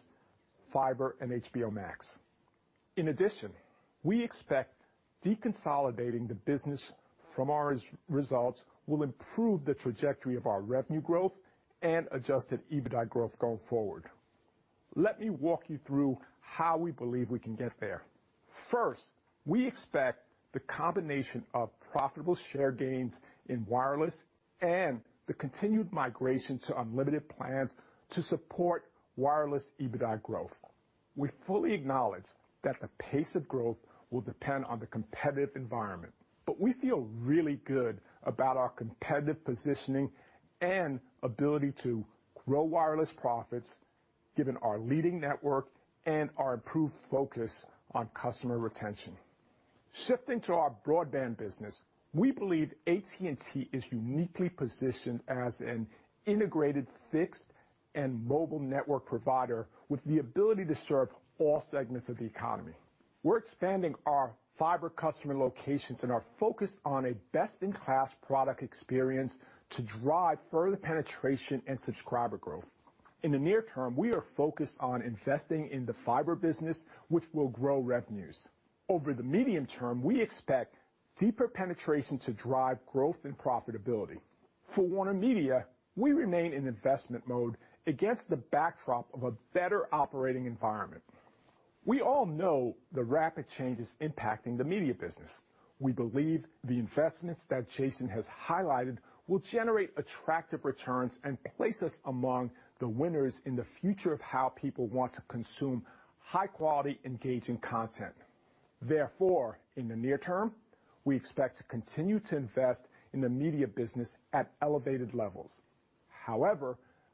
fiber, and HBO Max. We expect deconsolidating the business from our results will improve the trajectory of our revenue growth and adjusted EBITDA growth going forward. Let me walk you through how we believe we can get there. First, we expect the combination of profitable share gains in wireless and the continued migration to unlimited plans to support wireless EBITDA growth. We fully acknowledge that the pace of growth will depend on the competitive environment, but we feel really good about our competitive positioning and ability to grow wireless profits, given our leading network and our improved focus on customer retention. Shifting to our broadband business, we believe AT&T is uniquely positioned as an integrated fixed and mobile network provider with the ability to serve all segments of the economy. We're expanding our fiber customer locations and are focused on a best-in-class product experience to drive further penetration and subscriber growth. In the near term, we are focused on investing in the fiber business, which will grow revenues. Over the medium term, we expect deeper penetration to drive growth and profitability. For WarnerMedia, we remain in investment mode against the backdrop of a better operating environment. We all know the rapid changes impacting the media business. We believe the investments that Jason has highlighted will generate attractive returns and place us among the winners in the future of how people want to consume high-quality, engaging content. In the near term, we expect to continue to invest in the media business at elevated levels.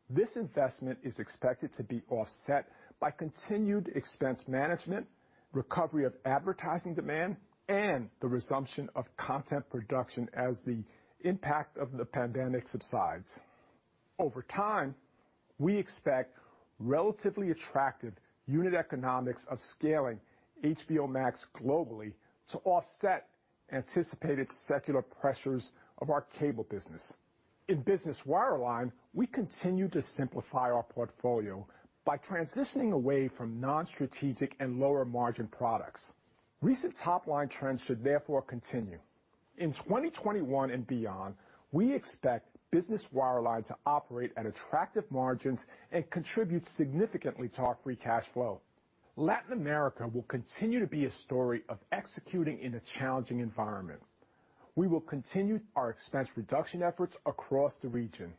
This investment is expected to be offset by continued expense management, recovery of advertising demand, and the resumption of content production as the impact of the pandemic subsides. Over time, we expect relatively attractive unit economics of scaling HBO Max globally to offset anticipated secular pressures of our cable business. In Business Wireline, we continue to simplify our portfolio by transitioning away from non-strategic and lower-margin products. Recent top-line trends should therefore continue. In 2021 and beyond, we expect Business Wireline to operate at attractive margins and contribute significantly to our free cash flow. Latin America will continue to be a story of executing in a challenging environment. We will continue our expense reduction efforts across the region.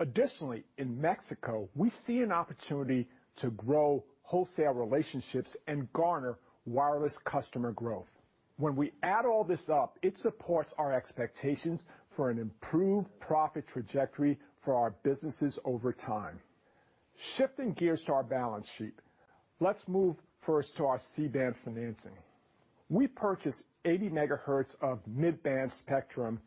Additionally, in Mexico, we see an opportunity to grow wholesale relationships and garner wireless customer growth. When we add all this up, it supports our expectations for an improved profit trajectory for our businesses over time. Shifting gears to our balance sheet, let's move first to our C-Band financing. We purchased 80 MHz of mid-band spectrum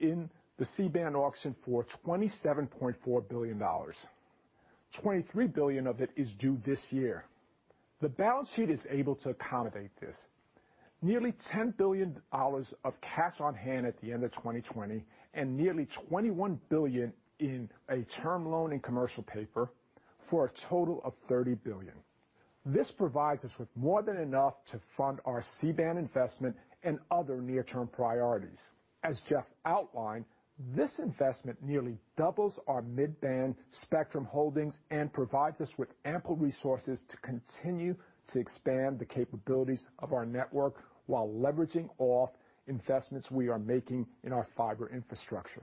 in the C-Band auction for $27.4 billion. $23 billion of it is due this year. The balance sheet is able to accommodate this. Nearly $10 billion of cash on hand at the end of 2020, and nearly $21 billion in a term loan in commercial paper for a total of $30 billion. This provides us with more than enough to fund our C-band investment and other near-term priorities. As Jeff outlined, this investment nearly doubles our mid-band spectrum holdings and provides us with ample resources to continue to expand the capabilities of our network while leveraging off investments we are making in our fiber infrastructure.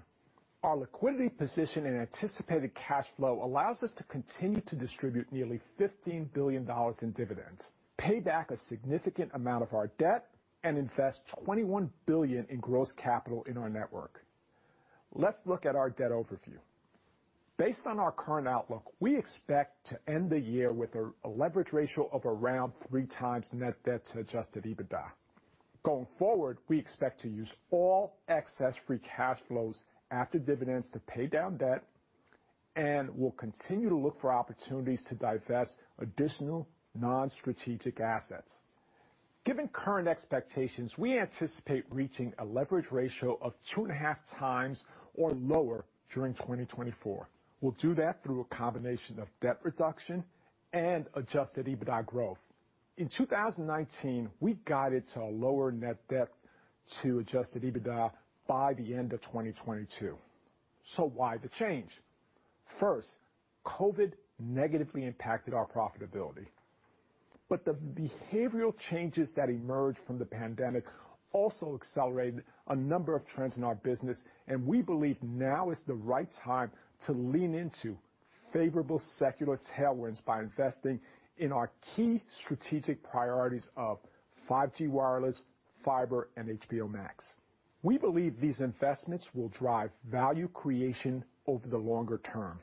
Our liquidity position and anticipated cash flow allows us to continue to distribute nearly $15 billion in dividends, pay back a significant amount of our debt, and invest $21 billion in gross capital in our network. Let's look at our debt overview. Based on our current outlook, we expect to end the year with a leverage ratio of around 3x net debt to adjusted EBITDA. Going forward, we expect to use all excess free cash flows after dividends to pay down debt, and we'll continue to look for opportunities to divest additional non-strategic assets. Given current expectations, we anticipate reaching a leverage ratio of two and a half times or lower during 2024. We'll do that through a combination of debt reduction and adjusted EBITDA growth. In 2019, we guided to a lower net debt to adjusted EBITDA by the end of 2022. Why the change? First, COVID negatively impacted our profitability, but the behavioral changes that emerged from the pandemic also accelerated a number of trends in our business, and we believe now is the right time to lean into favorable secular tailwinds by investing in our key strategic priorities of 5G wireless, fiber, and HBO Max. We believe these investments will drive value creation over the longer term.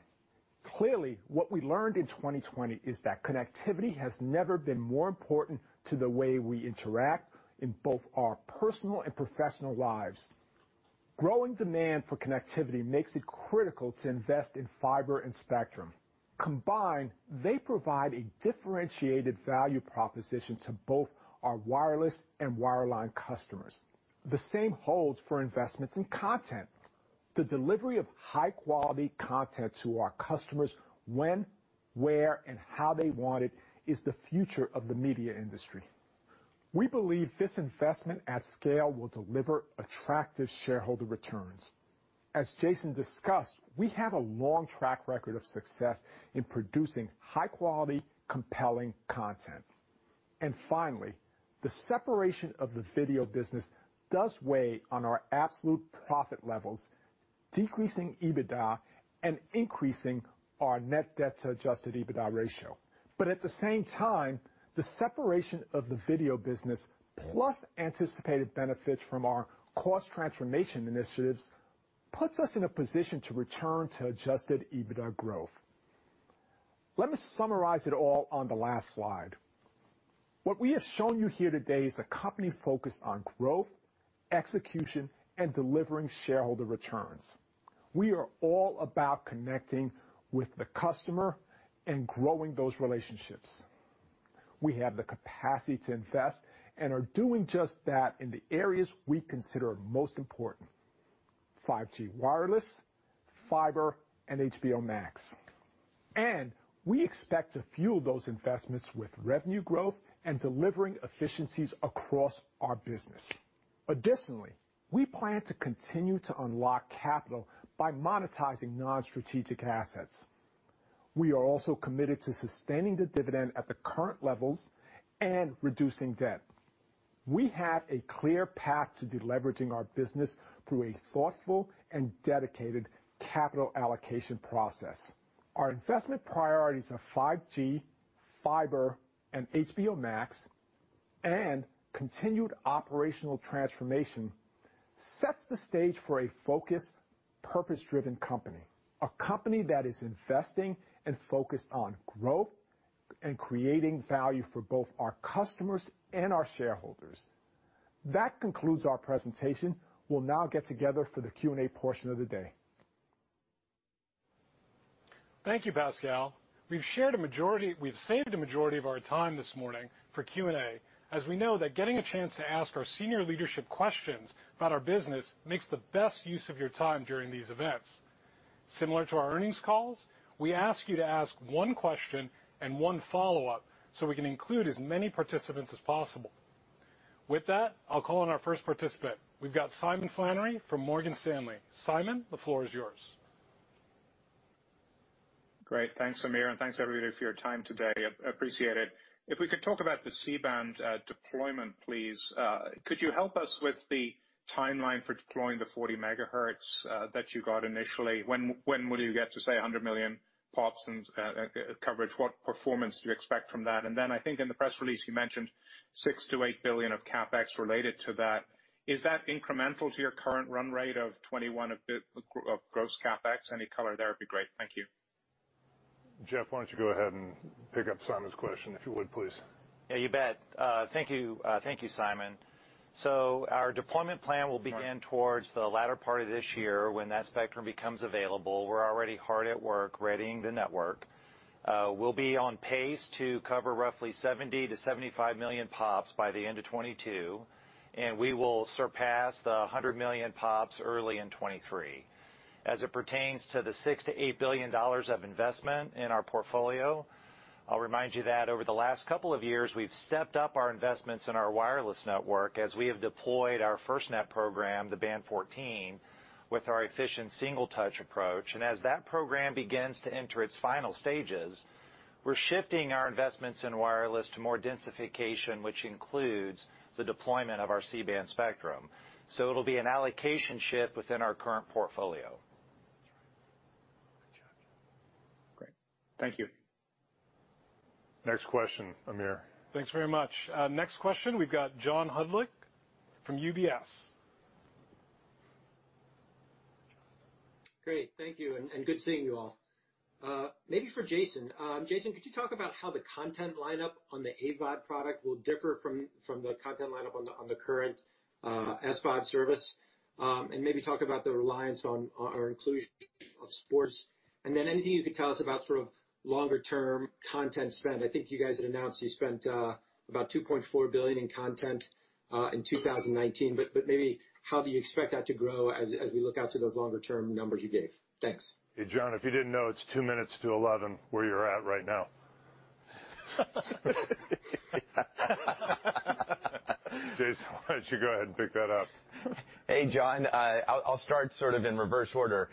Clearly, what we learned in 2020 is that connectivity has never been more important to the way we interact in both our personal and professional lives. Growing demand for connectivity makes it critical to invest in fiber and spectrum. Combined, they provide a differentiated value proposition to both our wireless and wireline customers. The same holds for investments in content. The delivery of high-quality content to our customers when, where, and how they want it is the future of the media industry. We believe this investment at scale will deliver attractive shareholder returns. As Jason discussed, we have a long track record of success in producing high-quality, compelling content. Finally, the separation of the video business does weigh on our absolute profit levels, decreasing EBITDA and increasing our net debt to adjusted EBITDA ratio. At the same time, the separation of the video business, plus anticipated benefits from our cost transformation initiatives, puts us in a position to return to adjusted EBITDA growth. Let me summarize it all on the last slide. What we have shown you here today is a company focused on growth, execution, and delivering shareholder returns. We are all about connecting with the customer and growing those relationships. We have the capacity to invest and are doing just that in the areas we consider most important: 5G wireless, fiber, and HBO Max. We expect to fuel those investments with revenue growth and delivering efficiencies across our business. Additionally, we plan to continue to unlock capital by monetizing non-strategic assets. We are also committed to sustaining the dividend at the current levels and reducing debt. We have a clear path to deleveraging our business through a thoughtful and dedicated capital allocation process. Our investment priorities of 5G, fiber, and HBO Max and continued operational transformation sets the stage for a focused, purpose-driven company, a company that is investing and focused on growth and creating value for both our customers and our shareholders. That concludes our presentation. We will now get together for the Q&A portion of the day. Thank you, Pascal. We've saved a majority of our time this morning for Q&A, as we know that getting a chance to ask our senior leadership questions about our business makes the best use of your time during these events. Similar to our earnings calls, we ask you to ask one question and one follow-up so we can include as many participants as possible. With that, I'll call on our first participant. We've got Simon Flannery from Morgan Stanley. Simon, the floor is yours. Great. Thanks, Amir Rozwadowski, and thanks everybody for your time today. I appreciate it. If we could talk about the C-band deployment, please, could you help us with the timeline for deploying the 40 MHz that you got initially? When will you get to, say, 100 million pops and coverage? What performance do you expect from that? I think in the press release you mentioned $6 billion-$8 billion of CapEx related to that. Is that incremental to your current run rate of 2021 of gross CapEx? Any color there would be great. Thank you. Jeff, why don't you go ahead and pick up Simon's question, if you would, please? Yeah, you bet. Thank you, Simon. Our deployment plan will begin towards the latter part of this year when that spectrum becomes available. We're already hard at work readying the network. We'll be on pace to cover roughly 70 million-75 million pops by the end of 2022, and we will surpass the 100 million pops early in 2023. As it pertains to the $6 billion-$8 billion of investment in our portfolio, I'll remind you that over the last couple of years, we've stepped up our investments in our wireless network as we have deployed our FirstNet program, the Band 14, with our efficient single-touch approach. As that program begins to enter its final stages, we're shifting our investments in wireless to more densification, which includes the deployment of our C-band spectrum. It'll be an allocation shift within our current portfolio. Great. Thank you. Next question, Amir. Thanks very much. Next question, we've got John Hodulik from UBS. Great, thank you and good seeing you all. Maybe for Jason. Jason, could you talk about how the content lineup on the AVOD product will differ from the content lineup on the current SVOD service? Maybe talk about the reliance on our inclusion of sports, and then anything you could tell us about sort of longer term content spend. I think you guys had announced you spent about $2.4 billion in content in 2019, but maybe how do you expect that to grow as we look out to those longer term numbers you gave? Thanks. Hey, John, if you didn't know, it's two minutes to 11 where you're at right now. Jason, why don't you go ahead and pick that up? Hey, John. I'll start sort of in reverse order.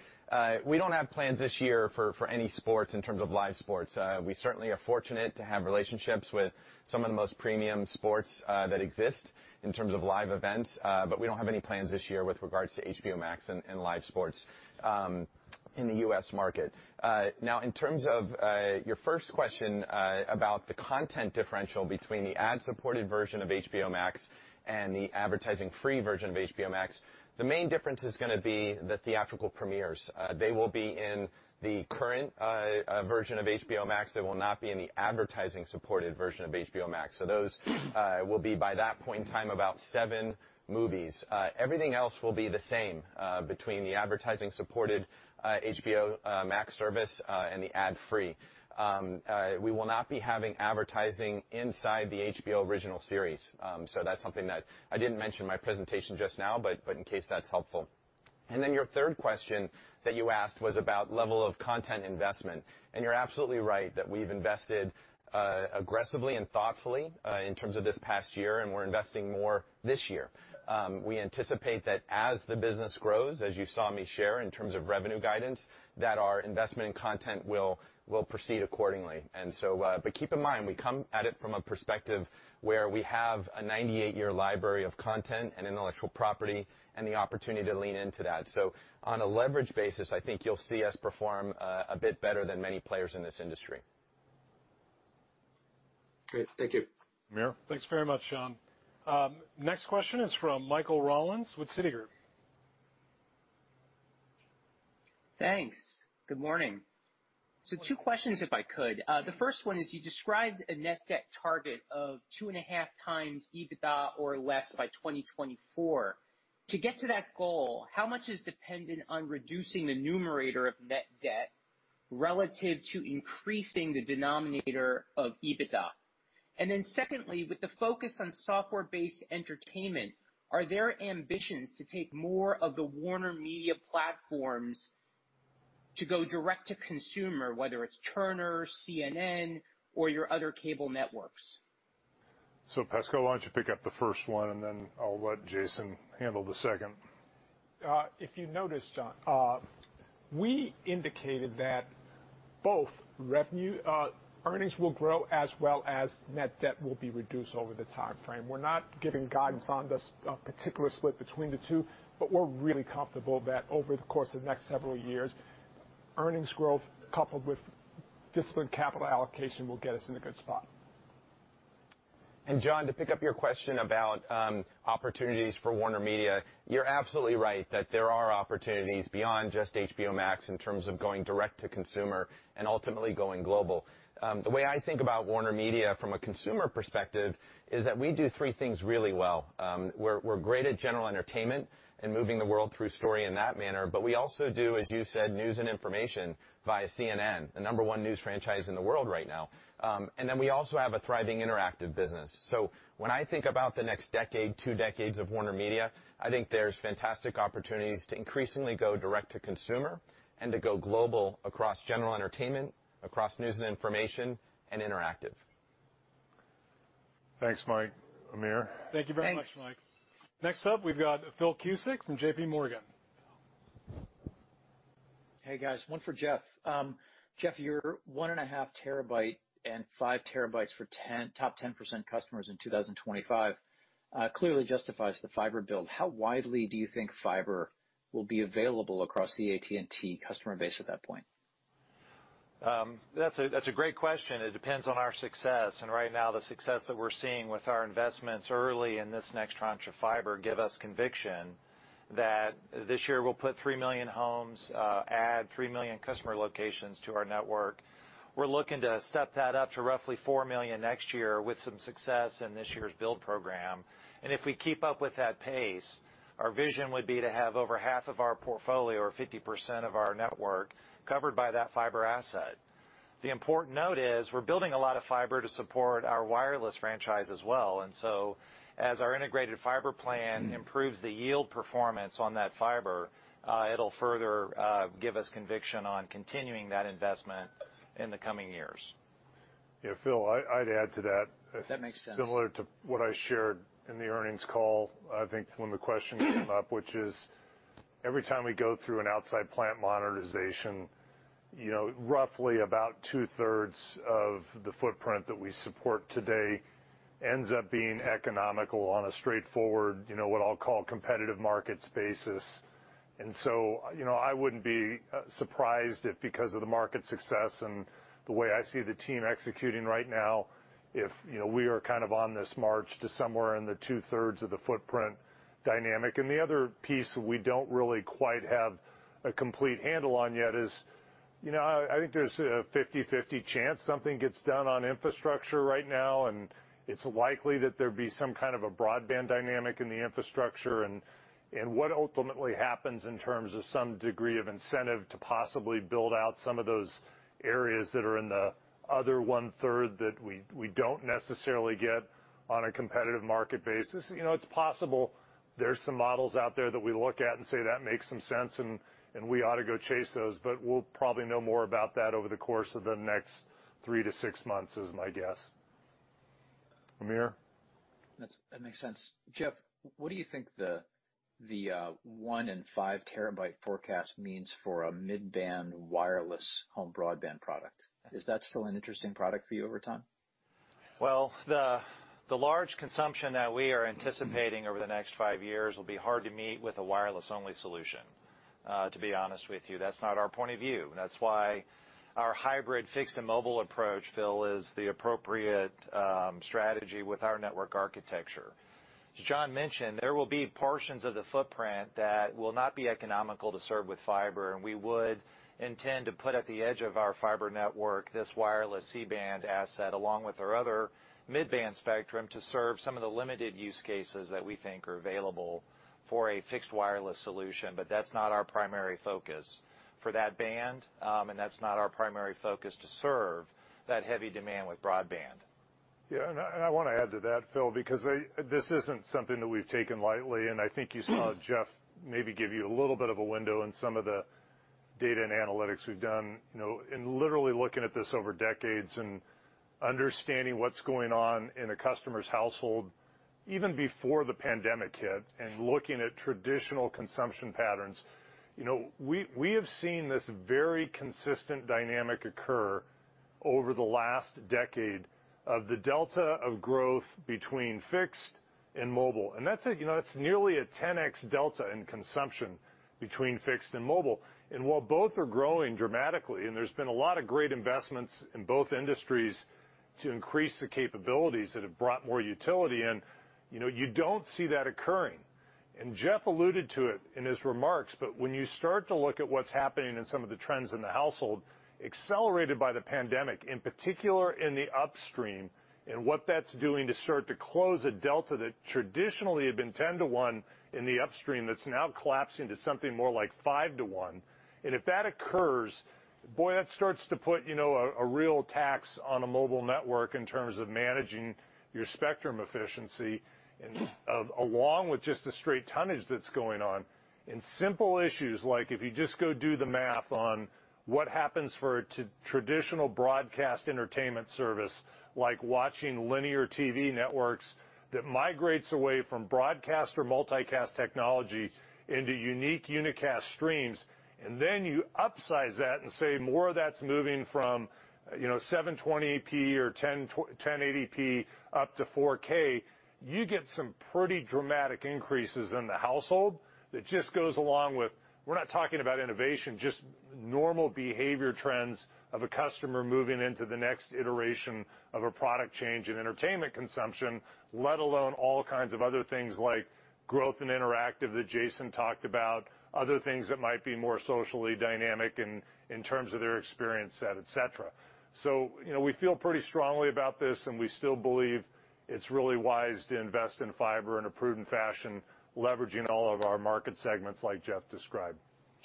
We don't have plans this year for any sports in terms of live sports. We certainly are fortunate to have relationships with some of the most premium sports that exist in terms of live events. We don't have any plans this year with regards to HBO Max and live sports in the U.S. market. In terms of your first question about the content differential between the ad-supported version of HBO Max and the advertising free version of HBO Max, the main difference is going to be the theatrical premieres. They will be in the current version of HBO Max. They will not be in the advertising-supported version of HBO Max. Those will be, by that point in time, about seven movies. Everything else will be the same between the advertising-supported HBO Max service and the ad free. We will not be having advertising inside the HBO original series. That's something that I didn't mention in my presentation just now, but in case that's helpful. Then your third question that you asked was about level of content investment, and you're absolutely right that we've invested aggressively and thoughtfully in terms of this past year, and we're investing more this year. We anticipate that as the business grows, as you saw me share in terms of revenue guidance, that our investment in content will proceed accordingly. Keep in mind, we come at it from a perspective where we have a 98-year library of content and intellectual property and the opportunity to lean into that. On a leverage basis, I think you'll see us perform a bit better than many players in this industry. Great. Thank you. Amir? Thanks very much, John. Next question is from Michael Rollins with Citigroup. Thanks. Good morning. Two questions, if I could. The first one is, you described a net debt target of two and a half times EBITDA or less by 2024. To get to that goal, how much is dependent on reducing the numerator of net debt relative to increasing the denominator of EBITDA? Secondly, with the focus on software-based entertainment, are there ambitions to take more of the WarnerMedia platforms to go direct to consumer, whether it's Turner, CNN, or your other cable networks? Pascal, why don't you pick up the first one, and then I'll let Jason handle the second. If you noticed, John, we indicated that both earnings will grow as well as net debt will be reduced over the timeframe. We're not giving guidance on the particular split between the two, but we're really comfortable that over the course of the next several years, earnings growth coupled with disciplined capital allocation will get us in a good spot. John, to pick up your question about opportunities for WarnerMedia, you're absolutely right that there are opportunities beyond just HBO Max in terms of going direct to consumer and ultimately going global. The way I think about WarnerMedia from a consumer perspective is that we do three things really well. We're great at general entertainment and moving the world through story in that manner, but we also do, as you said, news and information via CNN, the number one news franchise in the world right now. We also have a thriving interactive business. When I think about the next decade, two decades of WarnerMedia, I think there's fantastic opportunities to increasingly go direct to consumer and to go global across general entertainment, across news and information, and interactive. Thanks, Mike. Amir? Thank you very much, Mike. Thanks. Next up, we've got Phil Cusick from JPMorgan. Hey, guys. One for Jeff. Jeff, your one and a half terabyte and five terabytes for top 10% customers in 2025 clearly justifies the fiber build. How widely do you think fiber will be available across the AT&T customer base at that point? That's a great question. It depends on our success, and right now the success that we're seeing with our investments early in this next tranche of fiber give us conviction that this year we'll put 3 million homes, add 3 million customer locations to our network. We're looking to step that up to roughly 4 million next year with some success in this year's build program. If we keep up with that pace, our vision would be to have over half of our portfolio, or 50% of our network, covered by that fiber asset. The important note is we're building a lot of fiber to support our wireless franchise as well. So as our integrated fiber plan improves the yield performance on that fiber, it'll further give us conviction on continuing that investment in the coming years. Yeah, Phil, I'd add to that. If that makes sense. similar to what I shared in the earnings call, I think when the question came up, which is every time we go through an outside plant monetization, roughly about two-thirds of the footprint that we support today ends up being economical on a straightforward, what I'll call competitive markets basis. I wouldn't be surprised if because of the market success and the way I see the team executing right now, if we are kind of on this march to somewhere in the two-thirds of the footprint dynamic. The other piece we don't really quite have a complete handle on yet is, I think there's a 50/50 chance something gets done on infrastructure right now, and it's likely that there'd be some kind of a broadband dynamic in the infrastructure, and what ultimately happens in terms of some degree of incentive to possibly build out some of those areas that are in the other one-third that we don't necessarily get on a competitive market basis. It's possible there's some models out there that we look at and say, "That makes some sense, and we ought to go chase those," but we'll probably know more about that over the course of the next three to six months is my guess. Amir? That makes sense. Jeff, what do you think the one in five terabyte forecast means for a mid-band wireless home broadband product? Is that still an interesting product for you over time? Well, the large consumption that we are anticipating over the next five years will be hard to meet with a wireless-only solution. To be honest with you, that's not our point of view, and that's why our hybrid fixed and mobile approach, Phil, is the appropriate strategy with our network architecture. As John mentioned, there will be portions of the footprint that will not be economical to serve with fiber, and we would intend to put at the edge of our fiber network, this wireless C-band asset, along with our other mid-band spectrum, to serve some of the limited use cases that we think are available for a fixed wireless solution, but that's not our primary focus for that band, and that's not our primary focus to serve that heavy demand with broadband. Yeah, I want to add to that, Phil, because this isn't something that we've taken lightly, and I think you saw Jeff maybe give you a little bit of a window in some of the data and analytics we've done. In literally looking at this over decades and understanding what's going on in a customer's household, even before the pandemic hit, and looking at traditional consumption patterns. We have seen this very consistent dynamic occur over the last decade of the delta of growth between fixed and mobile. That's nearly a 10X delta in consumption between fixed and mobile. While both are growing dramatically, and there's been a lot of great investments in both industries to increase the capabilities that have brought more utility in, you don't see that occurring. Jeff alluded to it in his remarks, but when you start to look at what's happening in some of the trends in the household, accelerated by the pandemic, in particular in the upstream, what that's doing to start to close a delta that traditionally had been 10 to one in the upstream, that's now collapsing to something more like five to one. If that occurs, boy, that starts to put a real tax on a mobile network in terms of managing your spectrum efficiency along with just the straight tonnage that's going on. Simple issues like if you just go do the math on what happens for a traditional broadcast entertainment service, like watching linear TV networks that migrates away from broadcast or multicast technology into unique unicast streams, then you upsize that and say more of that's moving from 720p or 1080p up to 4K. You get some pretty dramatic increases in the household that just goes along with, we're not talking about innovation, just normal behavior trends of a customer moving into the next iteration of a product change in entertainment consumption, let alone all kinds of other things like growth in interactive that Jason talked about, other things that might be more socially dynamic in terms of their experience set, et cetera. We feel pretty strongly about this, and we still believe it's really wise to invest in fiber in a prudent fashion, leveraging all of our market segments like Jeff described.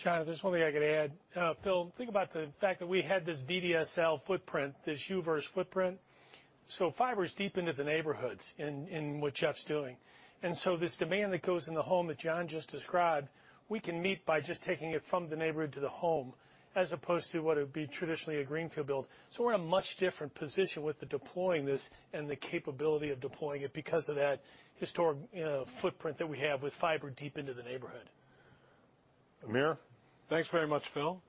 John, there's one thing I could add. Phil, think about the fact that we had this VDSL footprint, this U-verse footprint. Fiber is deep into the neighborhoods in what Jeff's doing. This demand that goes in the home that John just described, we can meet by just taking it from the neighborhood to the home, as opposed to what would be traditionally a greenfield build. We're in a much different position with the deploying this and the capability of deploying it because of that historic footprint that we have with fiber deep into the neighborhood. Amir? Thanks very much, Phil.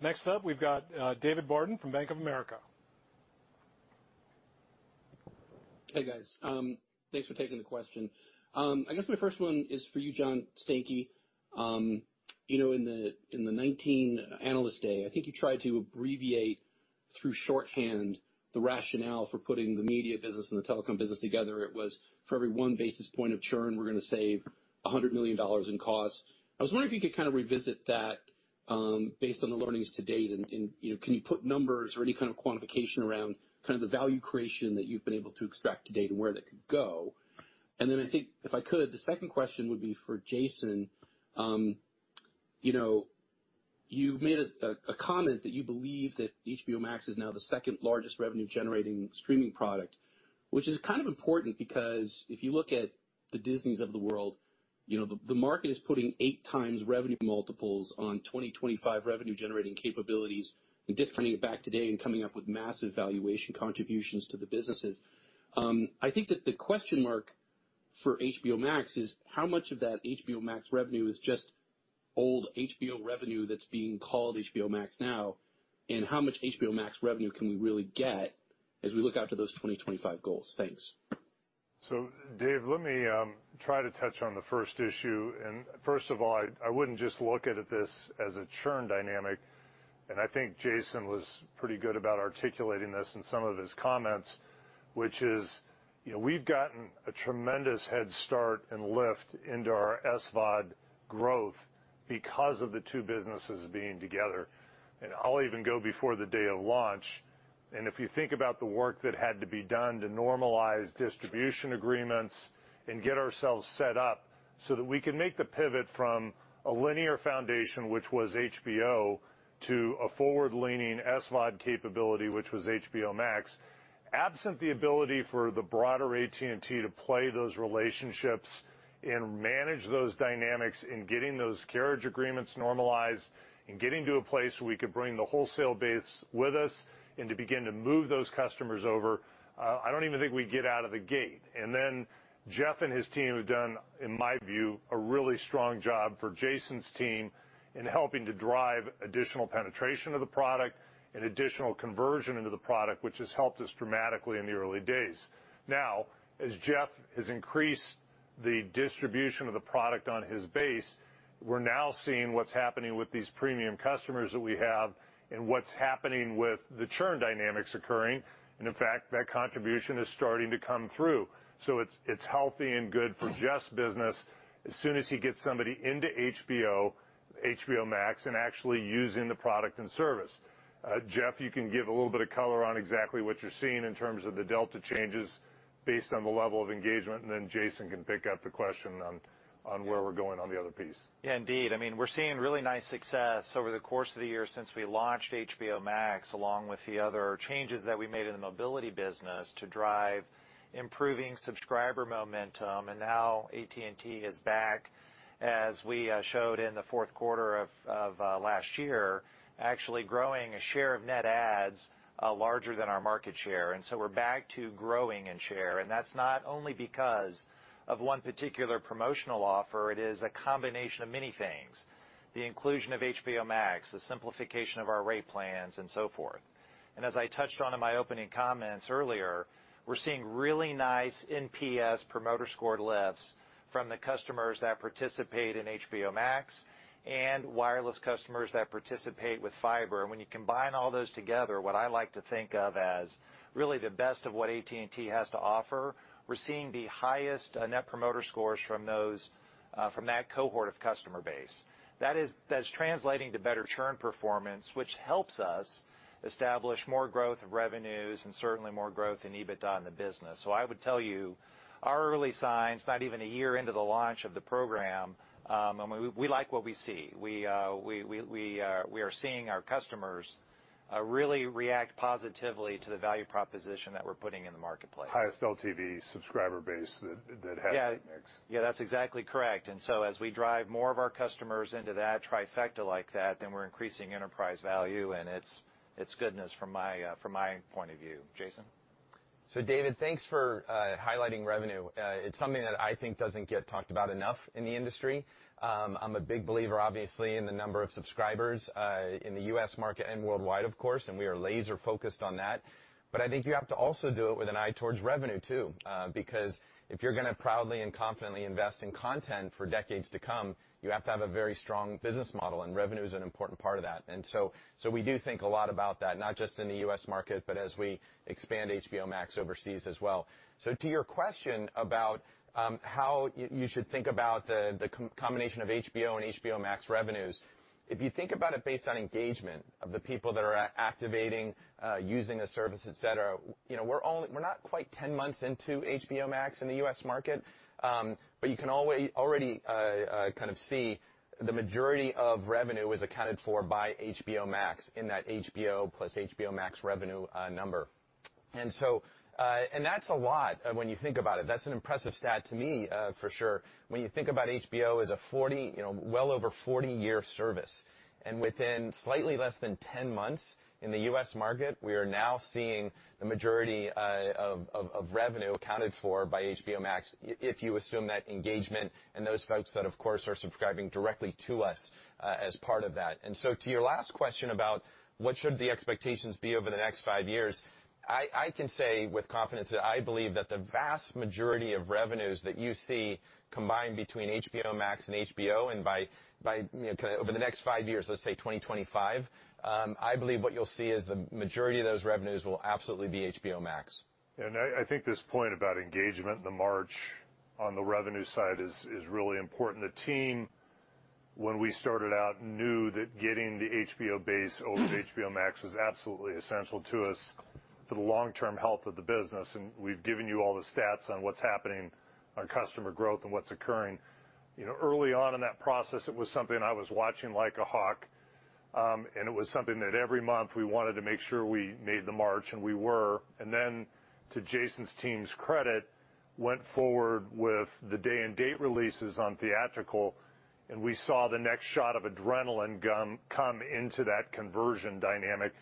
Next up, we've got David Barden from Bank of America. Hey, guys. Thanks for taking the question. I guess my first one is for you, John Stankey. In the 2019 Analyst Day, I think you tried to abbreviate through shorthand the rationale for putting the media business and the telecom business together. It was, for every one basis point of churn, we're going to save $100 million in costs. I was wondering if you could kind of revisit that based on the learnings to date, and can you put numbers or any kind of quantification around the value creation that you've been able to extract to date and where that could go? I think, if I could, the second question would be for Jason. You made a comment that you believe that HBO Max is now the second-largest revenue-generating streaming product, which is kind of important because if you look at the Disneys of the world, the market is putting 8x revenue multiples on 2025 revenue-generating capabilities and discounting it back today and coming up with massive valuation contributions to the businesses. I think that the question mark for HBO Max is how much of that HBO Max revenue is just old HBO revenue that's being called HBO Max now, and how much HBO Max revenue can we really get as we look out to those 2025 goals? Thanks. David, let me try to touch on the first issue. First of all, I wouldn't just look at this as a churn dynamic, and I think Jason was pretty good about articulating this in some of his comments, which is, we've gotten a tremendous head start and lift into our SVOD growth because of the two businesses being together. I'll even go before the day of launch, and if you think about the work that had to be done to normalize distribution agreements and get ourselves set up so that we could make the pivot from a linear foundation, which was HBO, to a forward-leaning SVOD capability, which was HBO Max. Absent the ability for the broader AT&T to play those relationships and manage those dynamics in getting those carriage agreements normalized and getting to a place where we could bring the wholesale base with us and to begin to move those customers over, I don't even think we'd get out of the gate. Jeff and his team have done, in my view, a really strong job for Jason's team in helping to drive additional penetration of the product and additional conversion into the product, which has helped us dramatically in the early days. Now, as Jeff has increased the distribution of the product on his base, we're now seeing what's happening with these premium customers that we have and what's happening with the churn dynamics occurring. In fact, that contribution is starting to come through. It's healthy and good for Jeff's business as soon as he gets somebody into HBO Max and actually using the product and service. Jeff, you can give a little bit of color on exactly what you're seeing in terms of the delta changes based on the level of engagement, and then Jason can pick up the question on where we're going on the other piece. Yeah, indeed. We're seeing really nice success over the course of the year since we launched HBO Max, along with the other changes that we made in the mobility business to drive improving subscriber momentum. Now AT&T is back, as we showed in the fourth quarter of last year, actually growing a share of net adds larger than our market share. So we're back to growing in share. That's not only because of one particular promotional offer. It is a combination of many things, the inclusion of HBO Max, the simplification of our rate plans, and so forth. As I touched on in my opening comments earlier, we're seeing really nice NPS promoter score lifts from the customers that participate in HBO Max and wireless customers that participate with fiber. When you combine all those together, what I like to think of as really the best of what AT&T has to offer, we're seeing the highest net promoter scores from that cohort of customer base. That is translating to better churn performance, which helps us establish more growth of revenues and certainly more growth in EBITDA in the business. I would tell you, our early signs, not even a year into the launch of the program, we like what we see. We are seeing our customers really react positively to the value proposition that we're putting in the marketplace. Highest LTV subscriber base that has that mix. Yeah, that's exactly correct. As we drive more of our customers into that trifecta like that, we're increasing enterprise value, and it's goodness from my point of view. Jason? David, thanks for highlighting revenue. It's something that I think doesn't get talked about enough in the industry. I'm a big believer, obviously, in the number of subscribers, in the U.S. market and worldwide of course, and we are laser focused on that. I think you have to also do it with an eye towards revenue too, because if you're going to proudly and confidently invest in content for decades to come, you have to have a very strong business model and revenue is an important part of that. We do think a lot about that, not just in the U.S. market, but as we expand HBO Max overseas as well. To your question about how you should think about the combination of HBO and HBO Max revenues, if you think about it based on engagement of the people that are activating, using a service, et cetera, we're not quite 10 months into HBO Max in the U.S. market, but you can already kind of see the majority of revenue is accounted for by HBO Max in that HBO plus HBO Max revenue number. That's a lot when you think about it. That's an impressive stat to me, for sure. When you think about HBO as a well over 40 year service, and within slightly less than 10 months in the U.S. market, we are now seeing the majority of revenue accounted for by HBO Max, if you assume that engagement and those folks that of course, are subscribing directly to us as part of that. To your last question about what should the expectations be over the next five years, I can say with confidence that I believe that the vast majority of revenues that you see combined between HBO Max and HBO over the next five years, let's say 2025, I believe what you'll see is the majority of those revenues will absolutely be HBO Max. I think this point about engagement and the march on the revenue side is really important. The team, when we started out, knew that getting the HBO base over to HBO Max was absolutely essential to us for the long-term health of the business, and we've given you all the stats on what's happening on customer growth and what's occurring. Early on in that process, it was something I was watching like a hawk, and it was something that every month we wanted to make sure we made the march and we were. Then to Jason's team's credit, went forward with the day and date releases on theatrical, and we saw the next shot of adrenaline come into that conversion dynamic.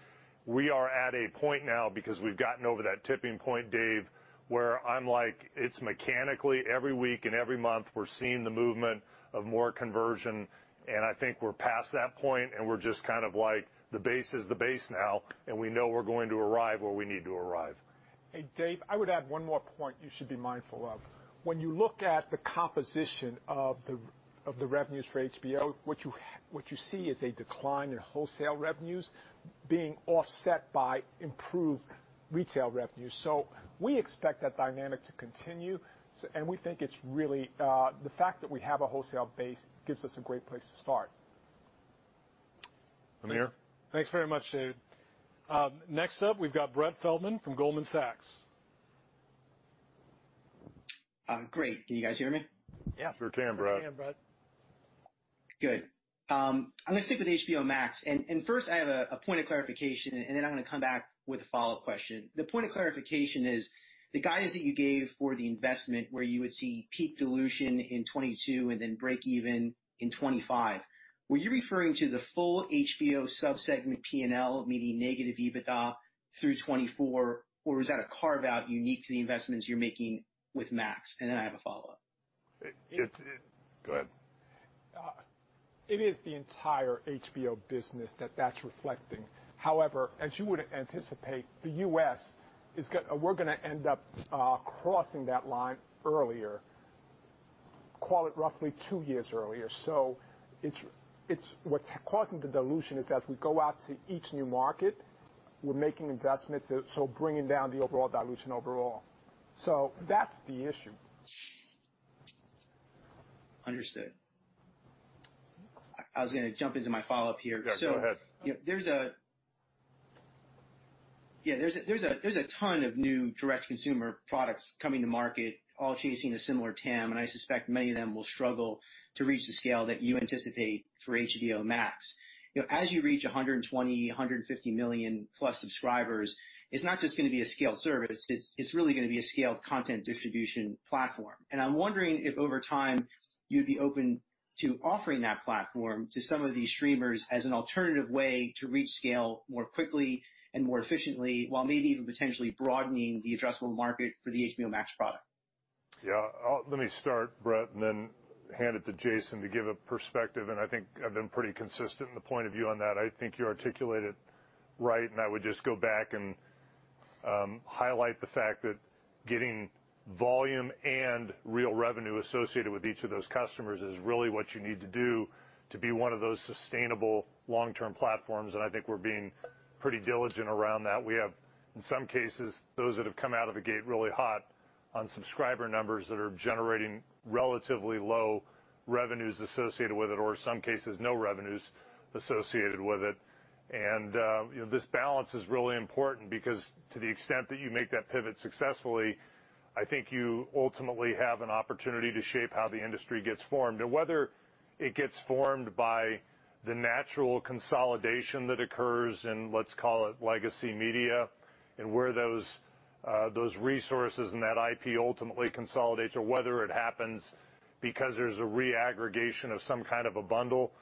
We are at a point now because we've gotten over that tipping point, David, where I'm like, it's mechanically every week and every month we're seeing the movement of more conversion, and I think we're past that point and we're just like, the base is the base now, and we know we're going to arrive where we need to arrive. Hey, David, I would add one more point you should be mindful of. When you look at the composition of the revenues for HBO, what you see is a decline in wholesale revenues being offset by improved retail revenues. We expect that dynamic to continue. The fact that we have a wholesale base gives us a great place to start. Amir? Thanks very much, Dave. Next up, we've got Brett Feldman from Goldman Sachs. Great. Can you guys hear me? Yeah. Sure can, Brett. Sure can, Brett. Good. I'm going to stick with HBO Max, and first I have a point of clarification and then I'm going to come back with a follow-up question. The point of clarification is the guidance that you gave for the investment where you would see peak dilution in 2022 and then break even in 2025. Were you referring to the full HBO sub-segment P&L, meaning negative EBITDA through 2024, or is that a carve-out unique to the investments you're making with Max? I have a follow-up. Go ahead. It is the entire HBO business that's reflecting. As you would anticipate, the U.S., we're going to end up crossing that line earlier, call it roughly two years earlier. What's causing the dilution is as we go out to each new market, we're making investments, so bringing down the overall dilution overall. That's the issue. Understood. I was going to jump into my follow-up here. Yeah, go ahead. There's a ton of new direct consumer products coming to market, all chasing a similar TAM. I suspect many of them will struggle to reach the scale that you anticipate for HBO Max. As you reach 120 million, 150 million plus subscribers, it's not just going to be a scaled service, it's really going to be a scaled content distribution platform. I'm wondering if over time you'd be open to offering that platform to some of these streamers as an alternative way to reach scale more quickly and more efficiently while maybe even potentially broadening the addressable market for the HBO Max product. Let me start, Brett, hand it to Jason to give a perspective. I think I've been pretty consistent in the point of view on that. I think you articulate it right. I would just go back and highlight the fact that getting volume and real revenue associated with each of those customers is really what you need to do to be one of those sustainable long-term platforms. I think we're being pretty diligent around that. We have, in some cases, those that have come out of the gate really hot on subscriber numbers that are generating relatively low revenues associated with it, or in some cases, no revenues associated with it. This balance is really important because to the extent that you make that pivot successfully, I think you ultimately have an opportunity to shape how the industry gets formed. It gets formed by the natural consolidation that occurs in, let's call it legacy media, and where those resources and that IP ultimately consolidates, or whether it happens because there's a reaggregation of some kind of a bundle.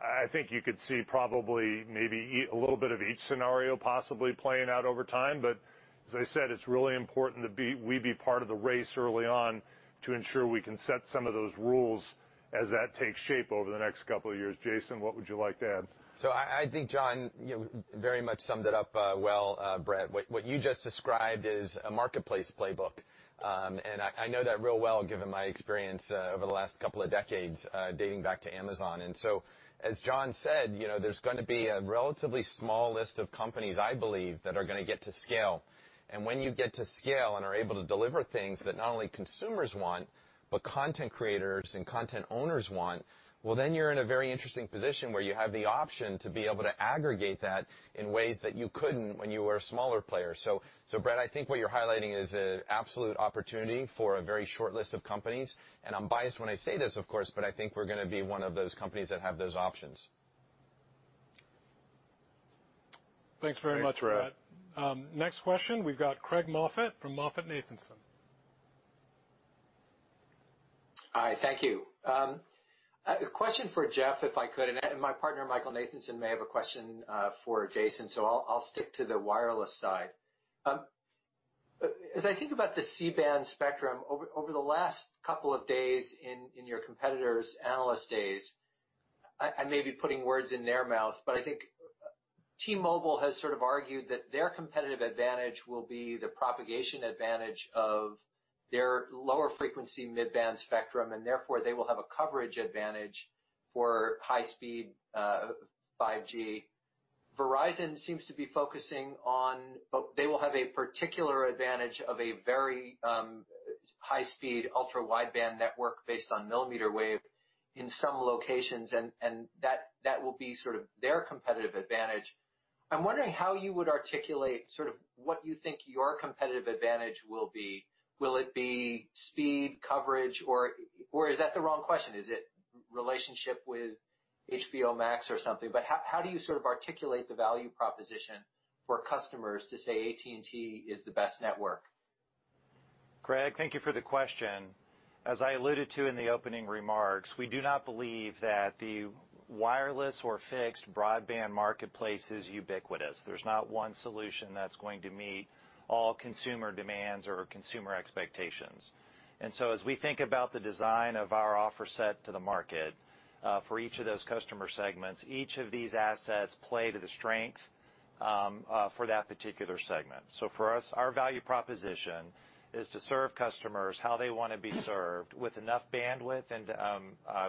I think you could see probably maybe a little bit of each scenario possibly playing out over time. As I said, it's really important that we be part of the race early on to ensure we can set some of those rules as that takes shape over the next couple of years. Jason, what would you like to add? I think John very much summed it up well, Brett. What you just described is a marketplace playbook. I know that real well, given my experience over the last couple of decades, dating back to Amazon. As John said, there's going to be a relatively small list of companies, I believe, that are going to get to scale. When you get to scale and are able to deliver things that not only consumers want, but content creators and content owners want, well, then you're in a very interesting position where you have the option to be able to aggregate that in ways that you couldn't when you were a smaller player. Brett, I think what you're highlighting is an absolute opportunity for a very short list of companies, and I'm biased when I say this, of course, but I think we're going to be one of those companies that have those options. Thanks very much, Brett. Next question, we've got Craig Moffett from MoffettNathanson. Hi, thank you. A question for Jeff, if I could, my partner, Michael Nathanson, may have a question for Jason, I'll stick to the wireless side. As I think about the C-band spectrum, over the last couple of days in your competitors' analyst days, I may be putting words in their mouth, I think T-Mobile has sort of argued that their competitive advantage will be the propagation advantage of their lower frequency mid-band spectrum, and therefore, they will have a coverage advantage for high-speed 5G. Verizon seems to be focusing on, they will have a particular advantage of a very high-speed, ultra-wideband network based on millimeter wave in some locations, and that will be sort of their competitive advantage. I'm wondering how you would articulate sort of what you think your competitive advantage will be. Will it be speed, coverage, or is that the wrong question? Is it relationship with HBO Max or something? How do you sort of articulate the value proposition for customers to say AT&T is the best network? Craig, thank you for the question. As I alluded to in the opening remarks, we do not believe that the wireless or fixed broadband marketplace is ubiquitous. There's not one solution that's going to meet all consumer demands or consumer expectations. As we think about the design of our offer set to the market for each of those customer segments, each of these assets play to the strength for that particular segment. For us, our value proposition is to serve customers how they want to be served with enough bandwidth and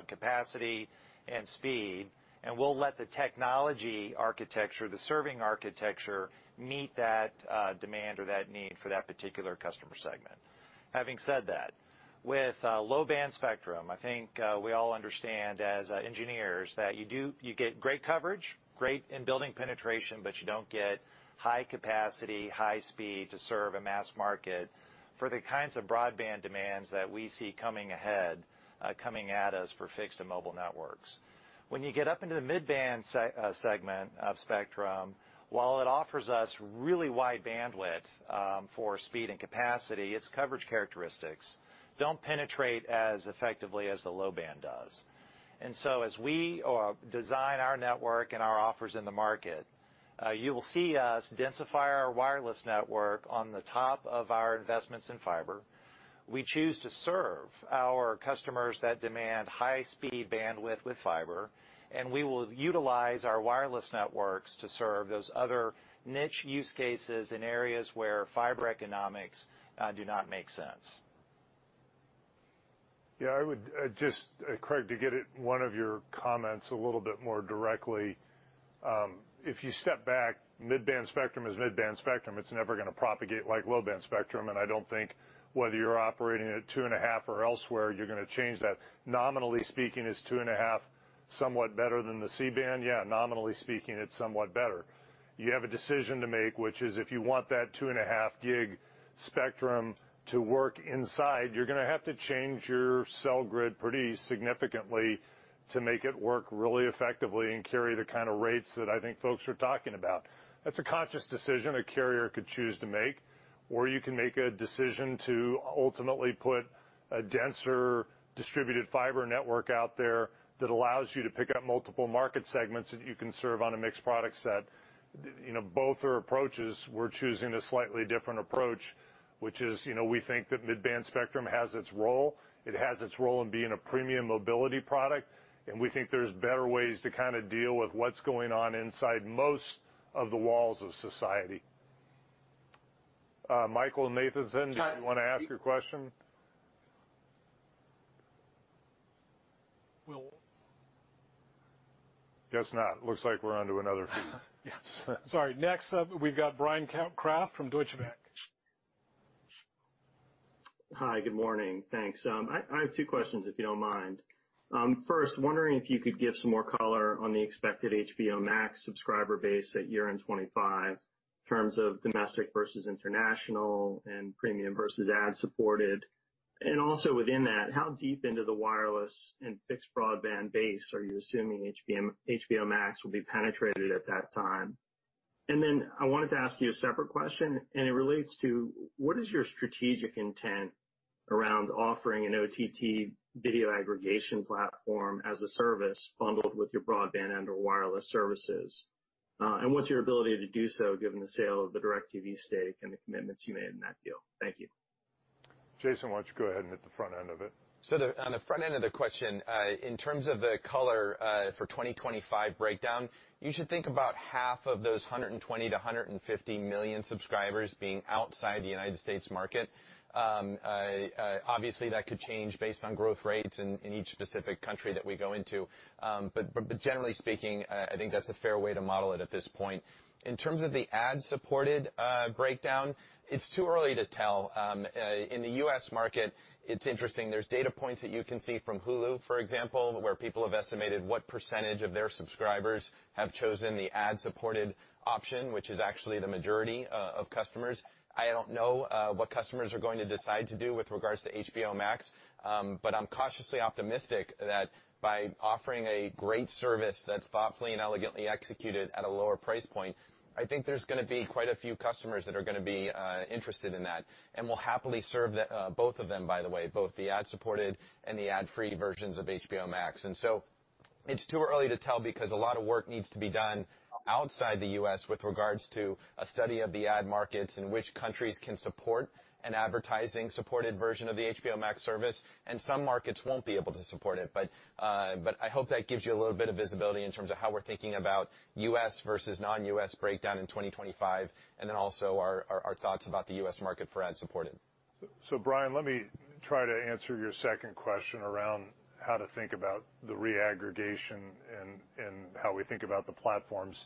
capacity and speed, and we'll let the technology architecture, the serving architecture, meet that demand or that need for that particular customer segment. Having said that, with low-band spectrum, I think we all understand as engineers that you get great coverage, great in-building penetration, but you don't get high capacity, high speed to serve a mass market for the kinds of broadband demands that we see coming ahead, coming at us for fixed and mobile networks. When you get up into the mid-band segment of spectrum, while it offers us really wide bandwidth for speed and capacity, its coverage characteristics don't penetrate as effectively as the low band does. As we design our network and our offers in the market, you will see us densify our wireless network on the top of our investments in fiber. We choose to serve our customers that demand high-speed bandwidth with fiber, and we will utilize our wireless networks to serve those other niche use cases in areas where fiber economics do not make sense. Yeah, I would just, Craig, to get at one of your comments a little bit more directly. If you step back, mid-band spectrum is mid-band spectrum. It's never going to propagate like low-band spectrum, and I don't think whether you're operating at two and a half or elsewhere, you're going to change that. Nominally speaking, is two and a half somewhat better than the C-band? Yeah, nominally speaking, it's somewhat better. You have a decision to make, which is if you want that two-and-a-half gig spectrum to work inside, you're going to have to change your cell grid pretty significantly to make it work really effectively and carry the kind of rates that I think folks are talking about. That's a conscious decision a carrier could choose to make, or you can make a decision to ultimately put a denser distributed fiber network out there that allows you to pick up multiple market segments that you can serve on a mixed product set. Both are approaches. We're choosing a slightly different approach, which is we think that mid-band spectrum has its role. It has its role in being a premium mobility product, and we think there's better ways to kind of deal with what's going on inside most of the walls of society. Michael Nathanson- John Do you want to ask your question? Well. Guess not. Looks like we're on to another feed. Yes. Sorry. Next up, we've got Bryan Kraft from Deutsche Bank. Hi, good morning. Thanks. I have two questions, if you don't mind. First, wondering if you could give some more color on the expected HBO Max subscriber base at year-end 2025 in terms of domestic versus international and premium versus ad-supported. Also within that, how deep into the wireless and fixed broadband base are you assuming HBO Max will be penetrated at that time? Then I wanted to ask you a separate question, and it relates to what is your strategic intent around offering an OTT video aggregation platform as a service bundled with your broadband and/or wireless services? What's your ability to do so given the sale of the DirecTV stake and the commitments you made in that deal? Thank you. Jason, why don't you go ahead and hit the front end of it? On the front end of the question, in terms of the color, for 2025 breakdown, you should think about half of those 120 million-150 million subscribers being outside the U.S. market. Obviously, that could change based on growth rates in each specific country that we go into. Generally speaking, I think that's a fair way to model it at this point. In terms of the ad-supported breakdown, it's too early to tell. In the U.S. market, it's interesting. There's data points that you can see from Hulu, for example, where people have estimated what % of their subscribers have chosen the ad-supported option, which is actually the majority of customers. I don't know what customers are going to decide to do with regards to HBO Max. I'm cautiously optimistic that by offering a great service that's thoughtfully and elegantly executed at a lower price point, I think there's going to be quite a few customers that are going to be interested in that. We'll happily serve both of them, by the way, both the ad-supported and the ad-free versions of HBO Max. It's too early to tell because a lot of work needs to be done outside the U.S. with regards to a study of the ad market and which countries can support an advertising-supported version of the HBO Max service, and some markets won't be able to support it. I hope that gives you a little bit of visibility in terms of how we're thinking about U.S. versus non-U.S. breakdown in 2025, and then also our thoughts about the U.S. market for ad-supported. Bryan, let me try to answer your second question around how to think about the reaggregation and how we think about the platforms.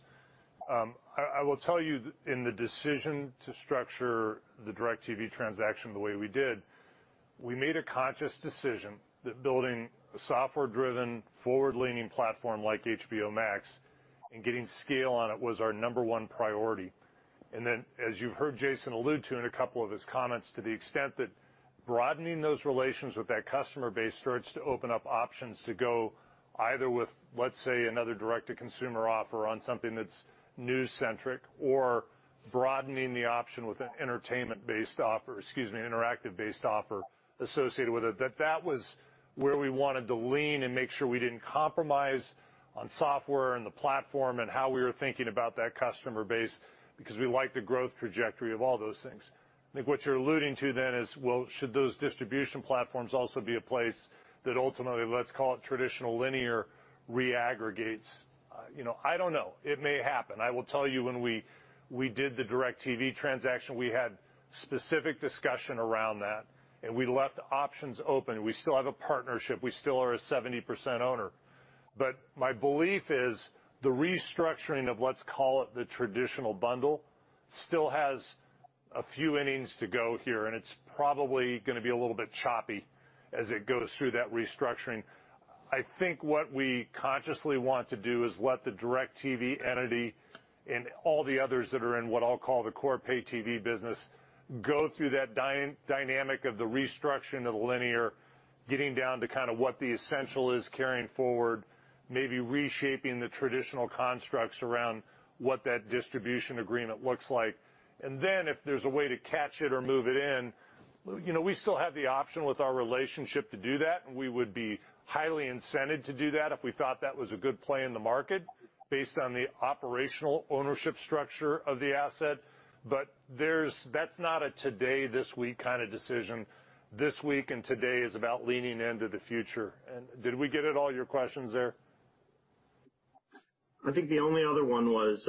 I will tell you in the decision to structure the DirecTV transaction the way we did, we made a conscious decision that building a software-driven, forward-leaning platform like HBO Max and getting scale on it was our number one priority. As you heard Jason allude to in a couple of his comments, to the extent that broadening those relations with that customer base starts to open up options to go either with, let's say, another direct-to-consumer offer on something that's news centric or broadening the option with an entertainment based offer, interactive based offer associated with it, that that was where we wanted to lean and make sure we didn't compromise on software and the platform and how we were thinking about that customer base because we like the growth trajectory of all those things. I think what you're alluding to then is, well, should those distribution platforms also be a place that ultimately, let's call it traditional linear reaggregates? I don't know. It may happen. I will tell you, when we did the DirecTV transaction, we had specific discussion around that. We left options open. We still have a partnership. We still are a 70% owner. My belief is the restructuring of let's call it the traditional bundle still has a few innings to go here. It's probably going to be a little bit choppy as it goes through that restructuring. I think what we consciously want to do is let the DirecTV entity and all the others that are in what I'll call the core pay TV business go through that dynamic of the restructuring of the linear, getting down to what the essential is carrying forward, maybe reshaping the traditional constructs around what that distribution agreement looks like. If there's a way to catch it or move it in, we still have the option with our relationship to do that, and we would be highly incented to do that if we thought that was a good play in the market based on the operational ownership structure of the asset. That's not a today, this week kind of decision. This week and today is about leaning into the future. Did we get at all your questions there? I think the only other one was,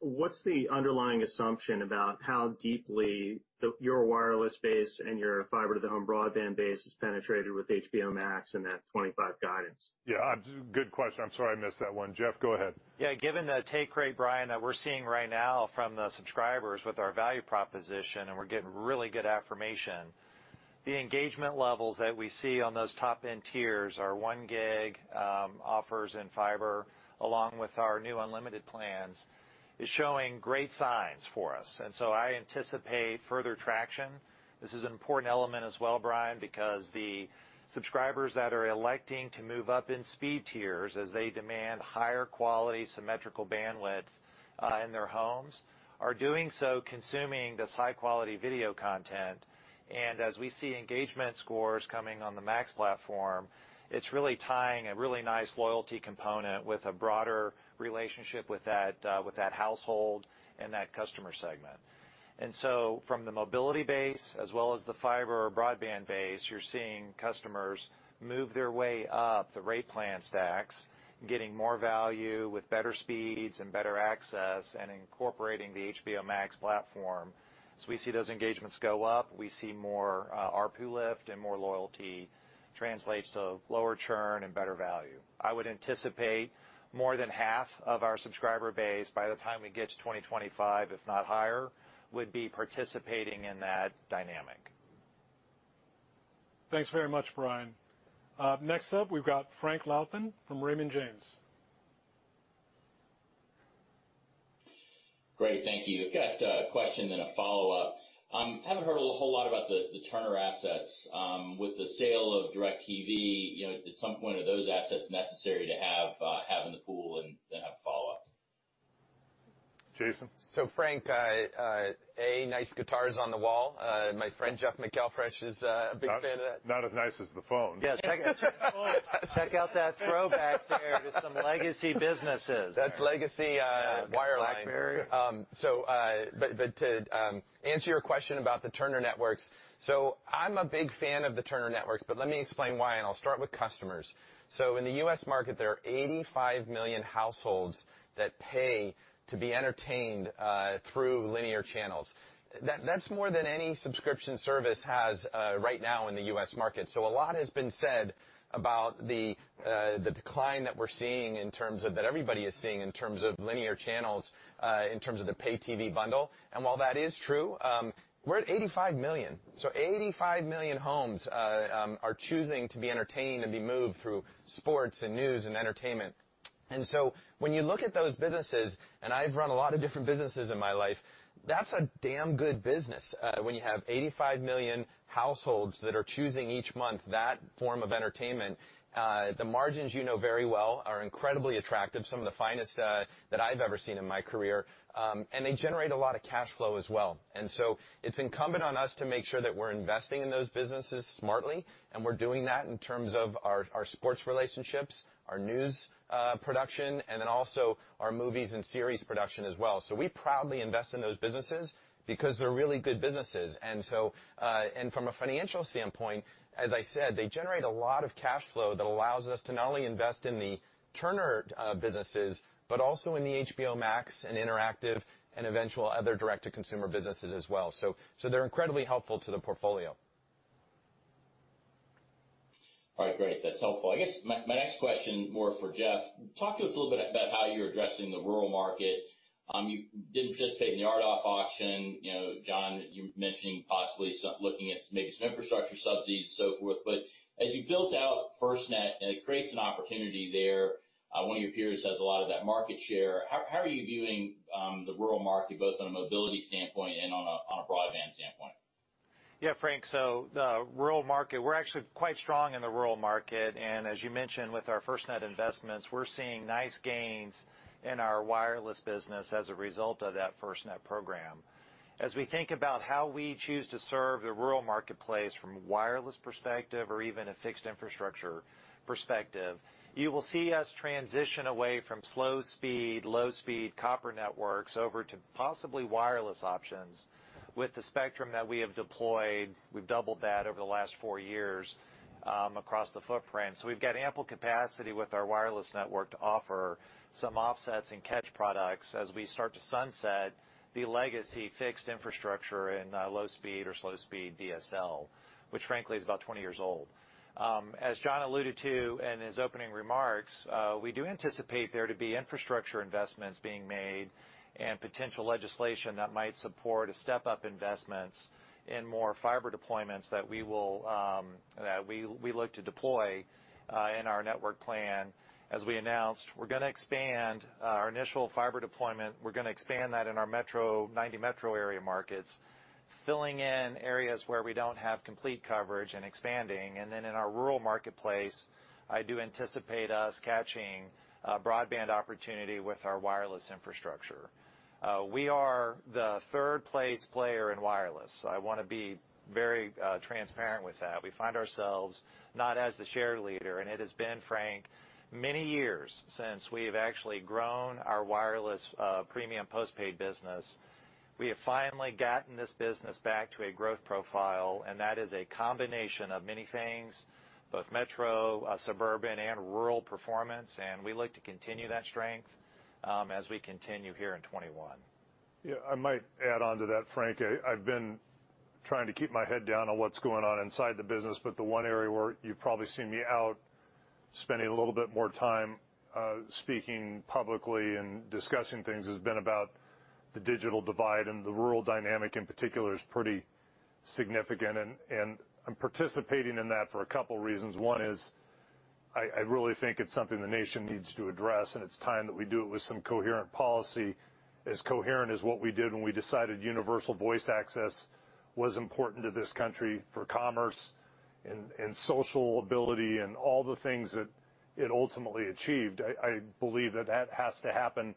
what's the underlying assumption about how deeply your wireless base and your fiber to the home broadband base is penetrated with HBO Max and that 2025 guidance? Yeah, good question. I'm sorry I missed that one. Jeff, go ahead. Yeah, given the take rate, Bryan, that we're seeing right now from the subscribers with our value proposition, and we're getting really good affirmation, the engagement levels that we see on those top-end tiers, our one gig offers in fiber, along with our new unlimited plans, is showing great signs for us. I anticipate further traction. This is an important element as well, Bryan, because the subscribers that are electing to move up in speed tiers as they demand higher quality symmetrical bandwidth in their homes are doing so consuming this high-quality video content. As we see engagement scores coming on the Max platform, it's really tying a really nice loyalty component with a broader relationship with that household and that customer segment. From the mobility base as well as the fiber or broadband base, you're seeing customers move their way up the rate plan stacks, getting more value with better speeds and better access, and incorporating the HBO Max platform. We see those engagements go up. We see more ARPU lift and more loyalty translates to lower churn and better value. I would anticipate more than half of our subscriber base by the time we get to 2025, if not higher, would be participating in that dynamic. Thanks very much, Bryan. Next up, we've got Frank Louthan from Raymond James Great. Thank you. We've got a question, then a follow-up. Haven't heard a whole lot about the Turner assets. With the sale of DirecTV, at some point, are those assets necessary to have in the pool? I have a follow-up. Jason? Frank, a, nice guitars on the wall. My friend Jeff McElfresh is a big fan of that. Not as nice as the phone. Yes. Check out your phone. Check out that throwback there to some legacy businesses. That's legacy wireline. BlackBerry. To answer your question about the Turner networks. I'm a big fan of the Turner networks, but let me explain why, and I'll start with customers. In the U.S. market, there are 85 million households that pay to be entertained through linear channels. That's more than any subscription service has right now in the U.S. market. A lot has been said about the decline that we're seeing, that everybody is seeing in terms of linear channels, in terms of the pay TV bundle. While that is true, we're at 85 million. 85 million homes are choosing to be entertained and be moved through sports and news and entertainment. When you look at those businesses, and I've run a lot of different businesses in my life, that's a damn good business when you have 85 million households that are choosing each month that form of entertainment. The margins you know very well are incredibly attractive, some of the finest that I've ever seen in my career. They generate a lot of cash flow as well. It's incumbent on us to make sure that we're investing in those businesses smartly, and we're doing that in terms of our sports relationships, our news production, and then also our movies and series production as well. We proudly invest in those businesses because they're really good businesses. From a financial standpoint, as I said, they generate a lot of cash flow that allows us to not only invest in the Turner businesses, but also in the HBO Max and Interactive and eventual other direct-to-consumer businesses as well. They're incredibly helpful to the portfolio. All right. Great. That's helpful. I guess my next question more for Jeff. Talk to us a little bit about how you're addressing the rural market. You didn't participate in the RDOF auction. John, you're mentioning possibly looking at maybe some infrastructure subsidies and so forth. As you built out FirstNet, and it creates an opportunity there, one of your peers has a lot of that market share. How are you viewing the rural market, both on a mobility standpoint and on a broadband standpoint? Yeah, Frank, the rural market, we're actually quite strong in the rural market. As you mentioned with our FirstNet investments, we're seeing nice gains in our wireless business as a result of that FirstNet program. As we think about how we choose to serve the rural marketplace from a wireless perspective or even a fixed infrastructure perspective, you will see us transition away from slow speed, low speed copper networks over to possibly wireless options with the spectrum that we have deployed. We've doubled that over the last four years across the footprint. We've got ample capacity with our wireless network to offer some offsets and catch products as we start to sunset the legacy fixed infrastructure in low speed or slow speed DSL, which frankly is about 20 years old. As John alluded to in his opening remarks, we do anticipate there to be infrastructure investments being made and potential legislation that might support a step-up investments in more fiber deployments that we look to deploy in our network plan. As we announced, we're going to expand our initial fiber deployment. We're going to expand that in our 90 metro area markets, filling in areas where we don't have complete coverage and expanding. Then in our rural marketplace, I do anticipate us catching a broadband opportunity with our wireless infrastructure. We are the third-place player in wireless. I want to be very transparent with that. We find ourselves not as the share leader, and it has been, Frank, many years since we've actually grown our wireless premium postpaid business. We have finally gotten this business back to a growth profile, and that is a combination of many things, both metro, suburban, and rural performance, and we look to continue that strength as we continue here in 2021. Yeah, I might add on to that, Frank. I've been trying to keep my head down on what's going on inside the business, but the one area where you've probably seen me out spending a little bit more time speaking publicly and discussing things has been about the digital divide, and the rural dynamic in particular is pretty significant. I'm participating in that for a couple of reasons. One is I really think it's something the nation needs to address, and it's time that we do it with some coherent policy, as coherent as what we did when we decided universal voice access was important to this country for commerce and social ability and all the things that it ultimately achieved. I believe that that has to happen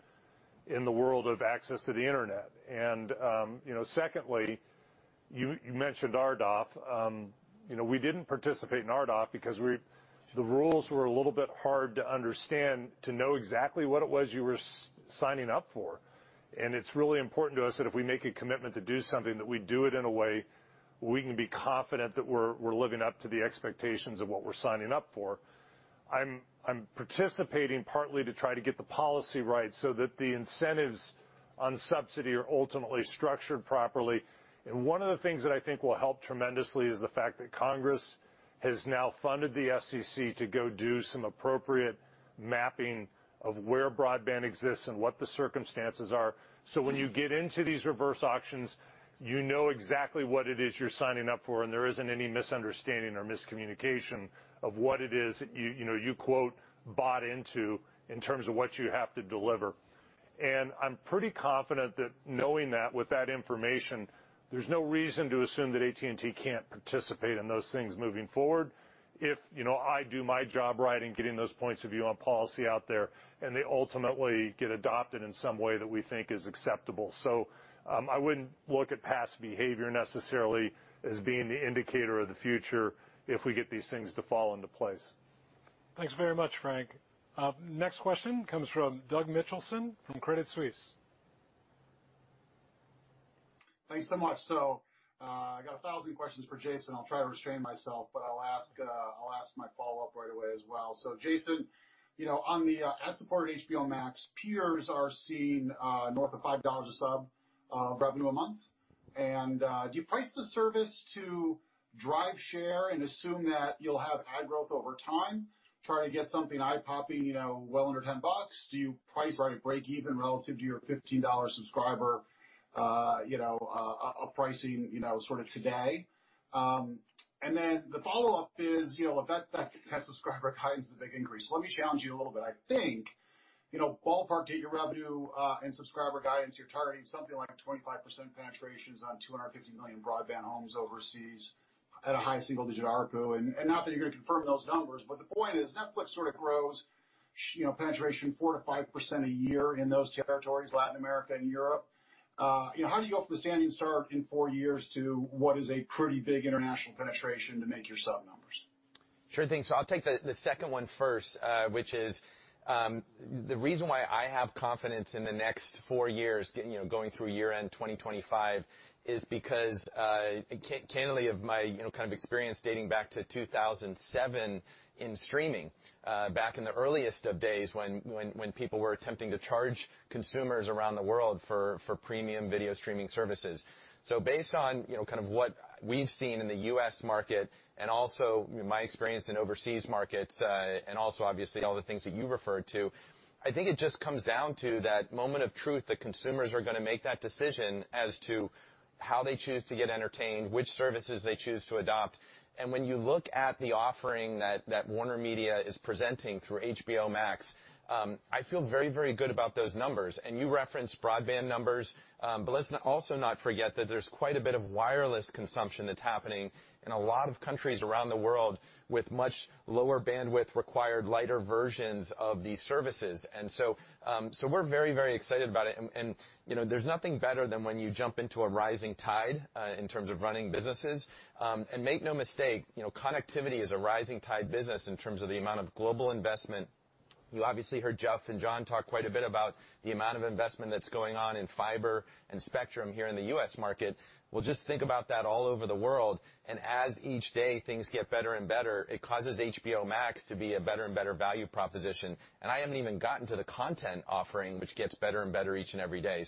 in the world of access to the internet. Secondly, you mentioned RDOF. We didn't participate in RDOF because the rules were a little bit hard to understand to know exactly what it was you were signing up for. It's really important to us that if we make a commitment to do something, that we do it in a way where we can be confident that we're living up to the expectations of what we're signing up for. I'm participating partly to try to get the policy right so that the incentives on subsidy are ultimately structured properly. One of the things that I think will help tremendously is the fact that Congress has now funded the FCC to go do some appropriate mapping of where broadband exists and what the circumstances are. When you get into these reverse auctions, you know exactly what it is you're signing up for, and there isn't any misunderstanding or miscommunication of what it is you, quote, "bought into" in terms of what you have to deliver. I'm pretty confident that knowing that with that information, there's no reason to assume that AT&T can't participate in those things moving forward if I do my job right in getting those points of view on policy out there, and they ultimately get adopted in some way that we think is acceptable. I wouldn't look at past behavior necessarily as being the indicator of the future if we get these things to fall into place. Thanks very much, Frank. Next question comes from Douglas Mitchelson from Credit Suisse. Thanks so much. I got 1,000 questions for Jason. I'll try to restrain myself, but I'll ask my follow-up right away as well. Jason, on the ad-supported HBO Max, peers are seeing north of $5 a sub of revenue a month. Do you price the service to drive share and assume that you'll have ad growth over time, try to get something eye-popping well under 10 bucks? Do you price right at breakeven relative to your $15 subscriber pricing sort of today? The follow-up is, that subscriber guidance is a big increase. Let me challenge you a little bit. I think, ballpark, get your revenue and subscriber guidance, you're targeting something like a 25% penetration on 250 million broadband homes overseas at a high single-digit ARPU. Not that you're going to confirm those numbers, the point is, Netflix sort of grows penetration 4% to 5% a year in those territories, Latin America and Europe. How do you go from a standing start in four years to what is a pretty big international penetration to make your sub numbers? Sure thing. I'll take the second one first, which is, the reason why I have confidence in the next four years, going through year-end 2025, is because, candidly, of my kind of experience dating back to 2007 in streaming, back in the earliest of days when people were attempting to charge consumers around the world for premium video streaming services. Based on kind of what we've seen in the U.S. market and also my experience in overseas markets, obviously all the things that you referred to, I think it just comes down to that moment of truth that consumers are going to make that decision as to how they choose to get entertained, which services they choose to adopt. When you look at the offering that WarnerMedia is presenting through HBO Max, I feel very, very good about those numbers. You referenced broadband numbers, but let's also not forget that there's quite a bit of wireless consumption that's happening in a lot of countries around the world with much lower bandwidth required, lighter versions of these services. We're very, very excited about it, and there's nothing better than when you jump into a rising tide in terms of running businesses. Make no mistake, connectivity is a rising tide business in terms of the amount of global investment. You obviously heard Jeff and John talk quite a bit about the amount of investment that's going on in fiber and spectrum here in the U.S. market. Well, just think about that all over the world, and as each day things get better and better, it causes HBO Max to be a better and better value proposition. I haven't even gotten to the content offering, which gets better and better each and every day.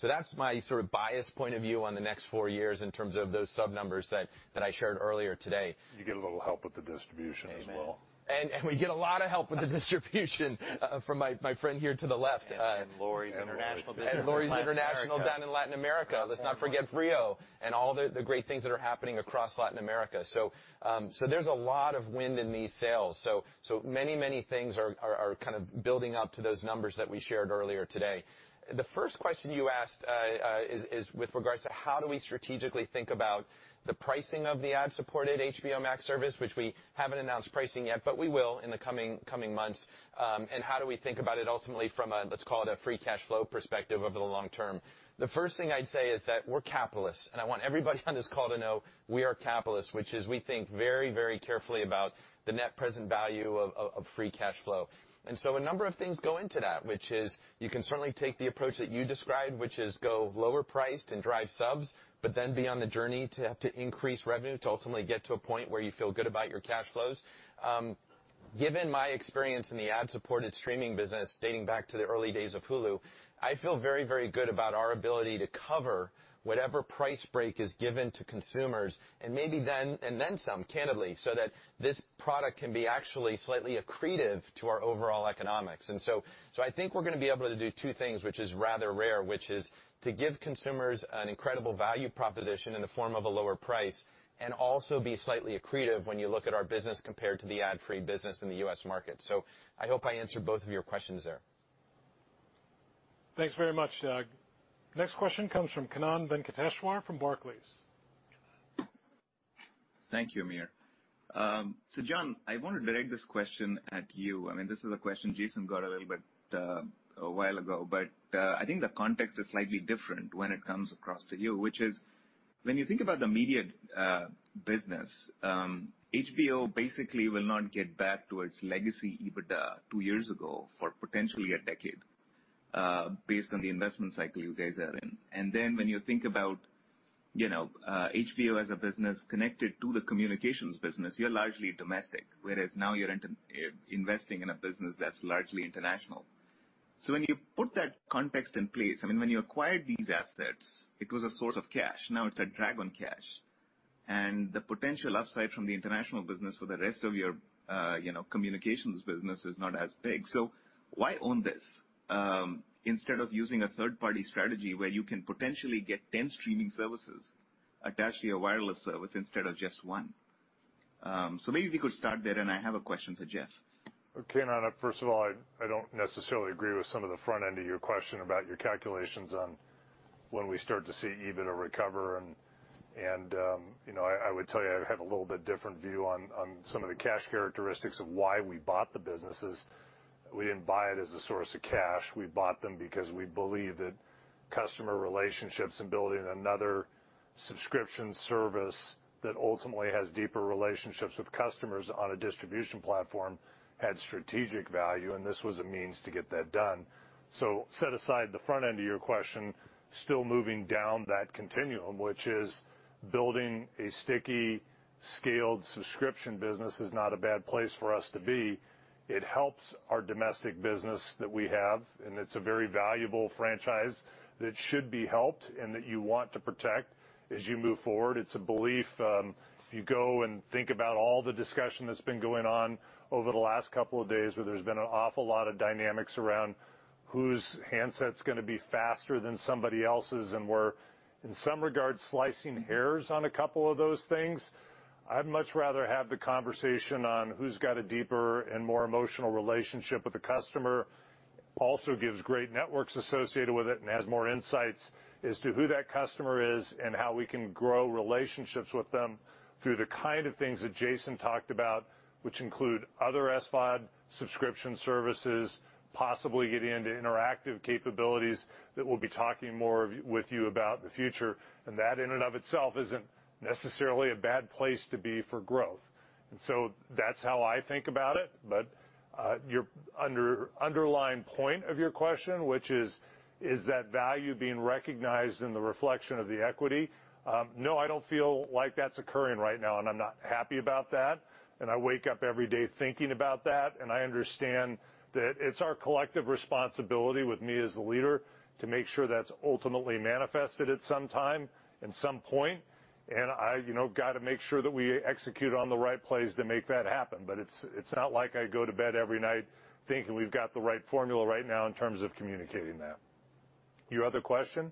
That's my sort of biased point of view on the next four years in terms of those sub numbers that I shared earlier today. You get a little help with the distribution as well. Amen. We get a lot of help with the distribution from my friend here to the left. Vrio down in Latin America. Vrio International down in Latin America. Let's not forget Vrio and all the great things that are happening across Latin America. There's a lot of wind in these sails. Many things are kind of building up to those numbers that we shared earlier today. The first question you asked is with regards to how do we strategically think about the pricing of the ad-supported HBO Max service, which we haven't announced pricing yet, but we will in the coming months. How do we think about it ultimately from a, let's call it a free cash flow perspective over the long term? The first thing I'd say is that we're capitalists, and I want everybody on this call to know we are capitalists, which is we think very carefully about the net present value of free cash flow. A number of things go into that, which is you can certainly take the approach that you described, which is go lower priced and drive subs, but then be on the journey to have to increase revenue to ultimately get to a point where you feel good about your cash flows. Given my experience in the ad-supported streaming business dating back to the early days of Hulu, I feel very good about our ability to cover whatever price break is given to consumers, and maybe then some, candidly, so that this product can be actually slightly accretive to our overall economics. I think we're going to be able to do two things, which is rather rare, which is to give consumers an incredible value proposition in the form of a lower price, and also be slightly accretive when you look at our business compared to the ad free business in the U.S. market. I hope I answered both of your questions there. Thanks very much, Doug. Next question comes from Kannan Venkateshwar from Barclays. Kannan. Thank you, Amir. John, I want to direct this question at you. This is a question Jason got a little bit a while ago, but I think the context is slightly different when it comes across to you, which is when you think about the media business, HBO basically will not get back to its legacy EBITDA two years ago for potentially a decade based on the investment cycle you guys are in. When you think about HBO as a business connected to the communications business, you're largely domestic, whereas now you're investing in a business that's largely international. When you put that context in place, when you acquired these assets, it was a source of cash. Now it's a drag on cash. The potential upside from the international business for the rest of your communications business is not as big. Why own this instead of using a third-party strategy where you can potentially get 10 streaming services attached to your wireless service instead of just one? maybe we could start there, and I have a question for Jeff. Okay, Kannan. First of all, I don't necessarily agree with some of the front end of your question about your calculations on when we start to see EBITDA recover. I would tell you, I have a little bit different view on some of the cash characteristics of why we bought the businesses. We didn't buy it as a source of cash. We bought them because we believe that customer relationships and building another subscription service that ultimately has deeper relationships with customers on a distribution platform had strategic value. This was a means to get that done. Set aside the front end of your question, still moving down that continuum, which is building a sticky, scaled subscription business is not a bad place for us to be. It helps our domestic business that we have, and it's a very valuable franchise that should be helped and that you want to protect as you move forward. It's a belief. If you go and think about all the discussion that's been going on over the last couple of days, where there's been an awful lot of dynamics around whose handset's going to be faster than somebody else's, and we're, in some regards, slicing hairs on a couple of those things. I'd much rather have the conversation on who's got a deeper and more emotional relationship with the customer, also gives great networks associated with it and has more insights as to who that customer is and how we can grow relationships with them through the kind of things that Jason talked about, which include other SVOD subscription services, possibly getting into interactive capabilities that we'll be talking more with you about the future. That, in and of itself, isn't necessarily a bad place to be for growth. That's how I think about it. Your underlying point of your question, which is that value being recognized in the reflection of the equity? No, I don't feel like that's occurring right now, and I'm not happy about that, and I wake up every day thinking about that. I understand that it's our collective responsibility with me as the leader to make sure that's ultimately manifested at some time and some point. I got to make sure that we execute on the right plays to make that happen. It's not like I go to bed every night thinking we've got the right formula right now in terms of communicating that. Your other question?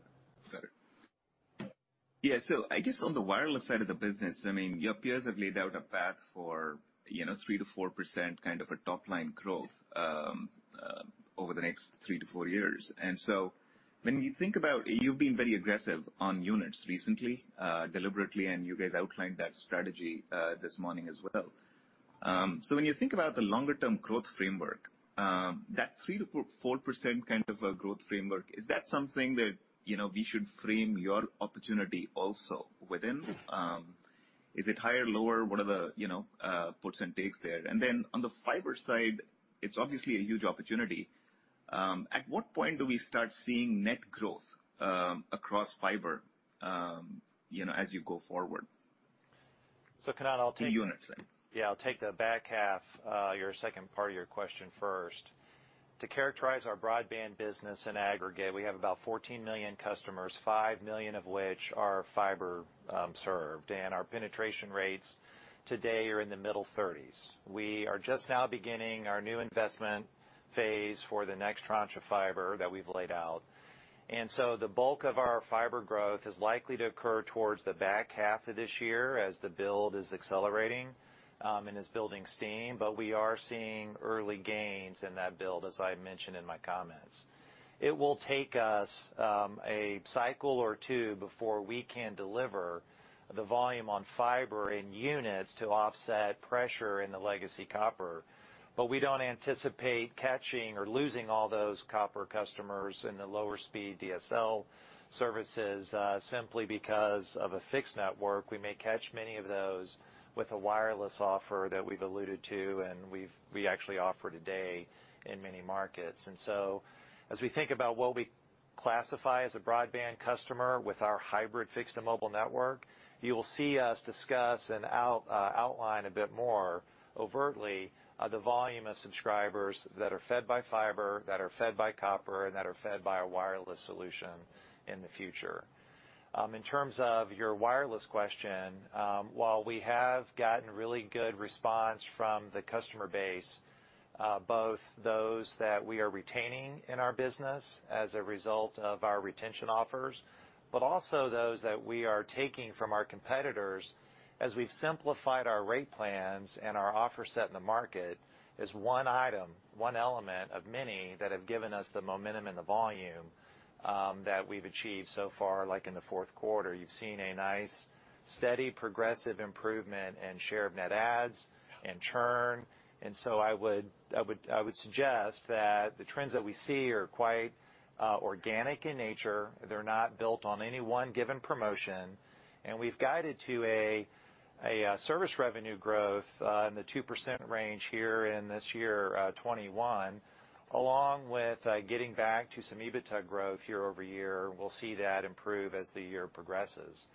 Got it. Yeah. I guess on the wireless side of the business, your peers have laid out a path for 3%-4% kind of a top-line growth over the next three to four years. When you think about, you've been very aggressive on units recently, deliberately, and you guys outlined that strategy this morning as well. When you think about the longer-term growth framework, that 3%-4% kind of a growth framework, is that something that we should frame your opportunity also within? Is it higher, lower? What are the puts and takes there? On the fiber side, it's obviously a huge opportunity. At what point do we start seeing net growth across fiber as you go forward? Kannan, In units. Yeah, I'll take the back half, your second part of your question first. To characterize our broadband business in aggregate, we have about 14 million customers, 5 million of which are fiber served. Our penetration rates today are in the middle 30s. We are just now beginning our new investment phase for the next tranche of fiber that we've laid out. The bulk of our fiber growth is likely to occur towards the back half of this year as the build is accelerating and is building steam. We are seeing early gains in that build, as I mentioned in my comments. It will take us a cycle or two before we can deliver the volume on fiber in units to offset pressure in the legacy copper. We don't anticipate catching or losing all those copper customers in the lower speed DSL services, simply because of a fixed network. We may catch many of those with a wireless offer that we've alluded to and we actually offer today in many markets. As we think about what we classify as a broadband customer with our hybrid fixed and mobile network, you will see us discuss and outline a bit more overtly the volume of subscribers that are fed by fiber, that are fed by copper, and that are fed by our wireless solution in the future. In terms of your wireless question, while we have gotten really good response from the customer base, both those that we are retaining in our business as a result of our retention offers, but also those that we are taking from our competitors as we've simplified our rate plans and our offer set in the market is one item, one element of many that have given us the momentum and the volume that we've achieved so far, like in the fourth quarter. You've seen a nice, steady, progressive improvement in share of net adds and churn. I would suggest that the trends that we see are quite organic in nature. They're not built on any one given promotion, and we've guided to a service revenue growth in the 2% range here in this year 2021, along with getting back to some EBITDA growth year-over-year. We'll see that improve as the year progresses.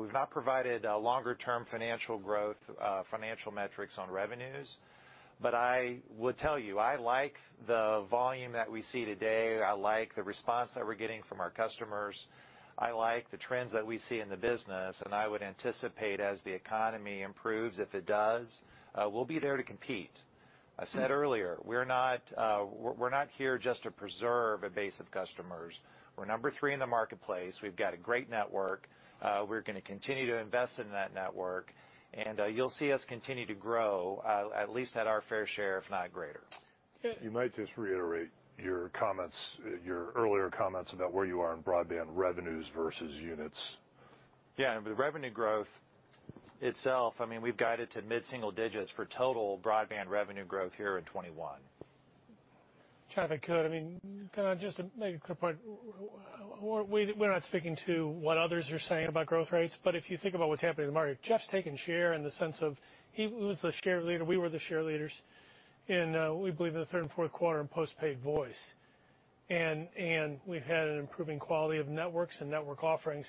We've not provided longer term financial growth, financial metrics on revenues. I would tell you, I like the volume that we see today. I like the response that we're getting from our customers. I like the trends that we see in the business, I would anticipate as the economy improves, if it does, we'll be there to compete. I said earlier, we're not here just to preserve a base of customers. We're number three in the marketplace. We've got a great network. We're going to continue to invest in that network, you'll see us continue to grow, at least at our fair share, if not greater. You might just reiterate your earlier comments about where you are in broadband revenues versus units. The revenue growth itself, we've guided to mid-single digits for total broadband revenue growth here in 2021. John, if I could. Can I just make a clear point? We're not speaking to what others are saying about growth rates, but if you think about what's happening in the market, Jeff's taking share in the sense of he was the share leader. We were the share leaders in, we believe, in the third and fourth quarter in postpaid voice. We've had an improving quality of networks and network offerings.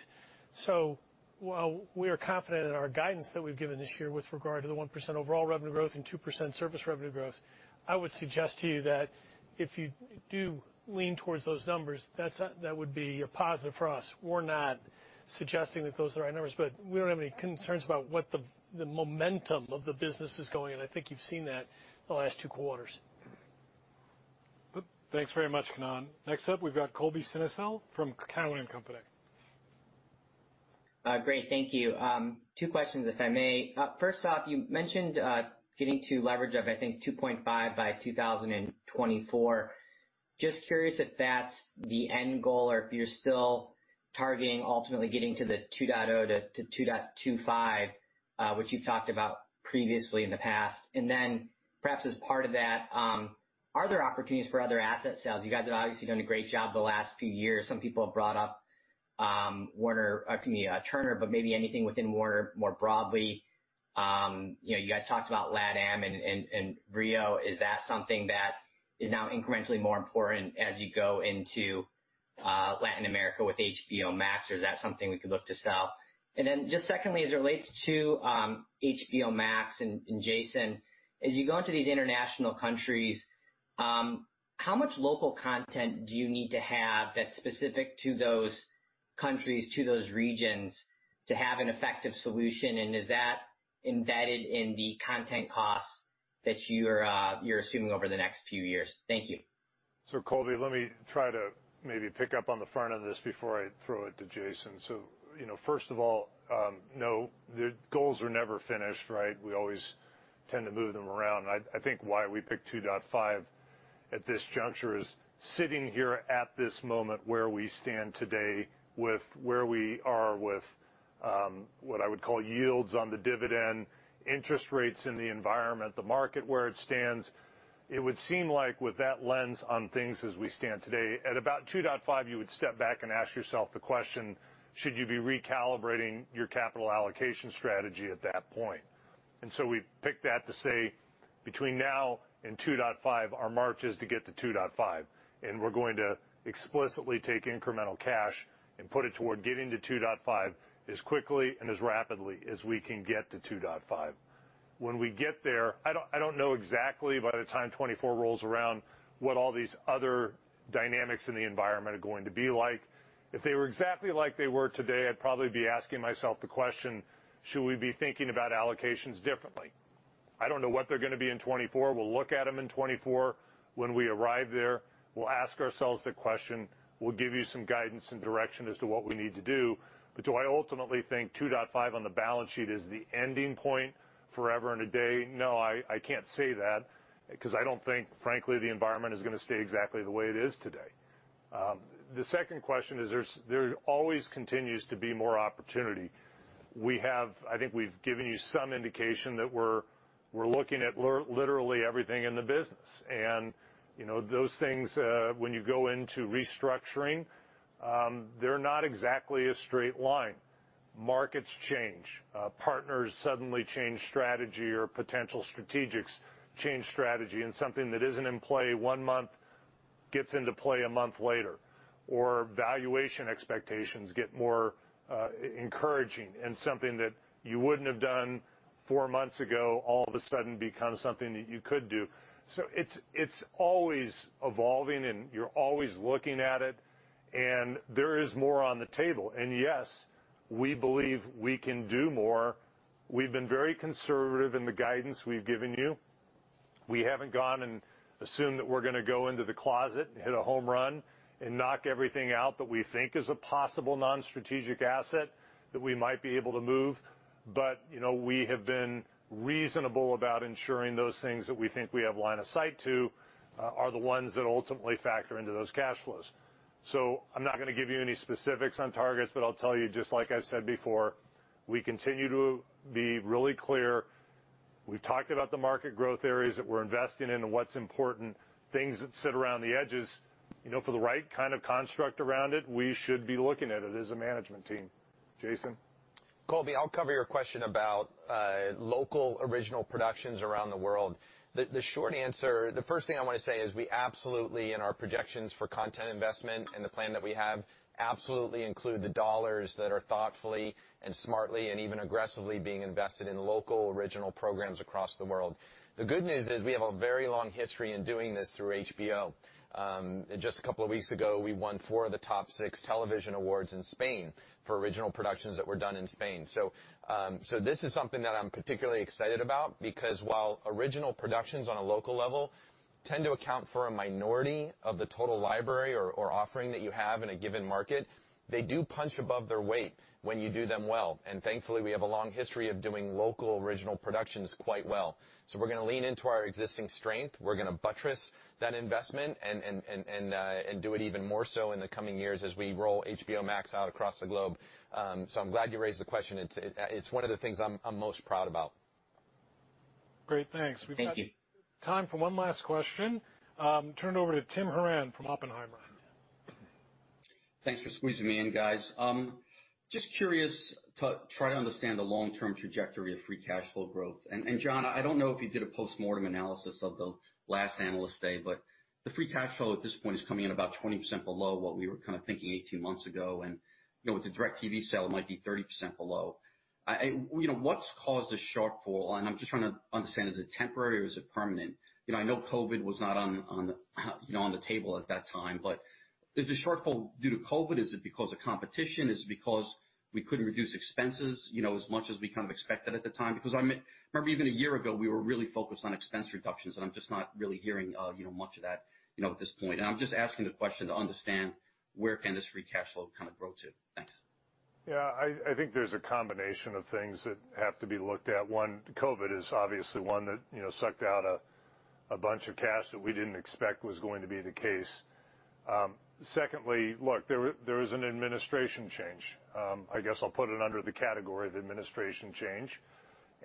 While we are confident in our guidance that we've given this year with regard to the 1% overall revenue growth and 2% service revenue growth, I would suggest to you that if you do lean towards those numbers, that would be a positive for us. We're not suggesting that those are the right numbers, but we don't have any concerns about what the momentum of the business is going, and I think you've seen that the last two quarters. Thanks very much, Kannan. Next up we've got Colby Synesael from Cowen and Company. Great, thank you. Two questions, if I may. First off, you mentioned getting to leverage of, I think, 2.5 by 2024. Just curious if that's the end goal or if you're still targeting ultimately getting to the 2.0 to 2.25, which you've talked about previously in the past. Then perhaps as part of that, are there opportunities for other asset sales? You guys have obviously done a great job the last few years. Some people have brought up I mean Turner, but maybe anything within WarnerMedia more broadly. You guys talked about LATAM and Vrio. Is that something that is now incrementally more important as you go into Latin America with HBO Max, or is that something we could look to sell? Just secondly, as it relates to HBO Max, and Jason, as you go into these international countries, how much local content do you need to have that's specific to those countries, to those regions to have an effective solution, and is that embedded in the content costs that you're assuming over the next few years? Thank you. Colby, let me try to maybe pick up on the front end of this before I throw it to Jason. First of all, no, the goals are never finished, right? We always tend to move them around, and I think why we picked 2.5 at this juncture is sitting here at this moment where we stand today with where we are with what I would call yields on the dividend, interest rates in the environment, the market where it stands. It would seem like with that lens on things as we stand today, at about 2.5 you would step back and ask yourself the question, should you be recalibrating your capital allocation strategy at that point? We picked that to say between now and 2.5, our march is to get to 2.5, and we're going to explicitly take incremental cash and put it toward getting to 2.5 as quickly and as rapidly as we can get to 2.5. When we get there, I don't know exactly by the time 2024 rolls around, what all these other dynamics in the environment are going to be like. If they were exactly like they were today, I'd probably be asking myself the question, should we be thinking about allocations differently? I don't know what they're going to be in 2024. We'll look at them in 2024. When we arrive there, we'll ask ourselves the question. We'll give you some guidance and direction as to what we need to do. Do I ultimately think 2.5 on the balance sheet is the ending point forever and a day? No, I can't say that because I don't think, frankly, the environment is going to stay exactly the way it is today. The second question is there always continues to be more opportunity. I think we've given you some indication that we're looking at literally everything in the business. Those things, when you go into restructuring, they're not exactly a straight line. Markets change. Partners suddenly change strategy or potential strategics change strategy, and something that isn't in play one month gets into play a month later, or valuation expectations get more encouraging and something that you wouldn't have done four months ago all of a sudden becomes something that you could do. It's always evolving, and you're always looking at it, and there is more on the table. Yes, we believe we can do more. We've been very conservative in the guidance we've given you. We haven't gone and assumed that we're going to go into the closet and hit a home run and knock everything out that we think is a possible non-strategic asset that we might be able to move. We have been reasonable about ensuring those things that we think we have line of sight to are the ones that ultimately factor into those cash flows. I'm not going to give you any specifics on targets, but I'll tell you, just like I've said before, we continue to be really clear. We've talked about the market growth areas that we're investing in and what's important, things that sit around the edges. For the right kind of construct around it, we should be looking at it as a management team. Jason? Colby, I'll cover your question about local original productions around the world. The short answer, the first thing I want to say is we absolutely, in our projections for content investment and the plan that we have, absolutely include the dollars that are thoughtfully and smartly, and even aggressively, being invested in local original programs across the world. The good news is we have a very long history in doing this through HBO. Just a couple of weeks ago, we won four of the top six television awards in Spain for original productions that were done in Spain. This is something that I'm particularly excited about because while original productions on a local level tend to account for a minority of the total library or offering that you have in a given market, they do punch above their weight when you do them well. Thankfully, we have a long history of doing local original productions quite well. We're going to lean into our existing strength. We're going to buttress that investment and do it even more so in the coming years as we roll HBO Max out across the globe. I'm glad you raised the question. It's one of the things I'm most proud about. Great. Thanks. Thank you. We've got time for one last question. Turn it over to Tim Horan from Oppenheimer. Thanks for squeezing me in, guys. Just curious to try to understand the long-term trajectory of free cash flow growth. John, I don't know if you did a postmortem analysis of the last analyst day, but the free cash flow at this point is coming in about 20% below what we were kind of thinking 18 months ago. With the DIRECTV sale, it might be 30% below. What's caused this shortfall? I'm just trying to understand, is it temporary or is it permanent? I know COVID was not on the table at that time, but is the shortfall due to COVID? Is it because of competition? Is it because we couldn't reduce expenses as much as we expected at the time? I remember even a year ago, we were really focused on expense reductions, and I'm just not really hearing much of that at this point. I'm just asking the question to understand where can this free cash flow grow to. Thanks. Yeah. I think there's a combination of things that have to be looked at. One, COVID is obviously one that sucked out a bunch of cash that we didn't expect was going to be the case. Secondly, look, there is an administration change. I guess I'll put it under the category of administration change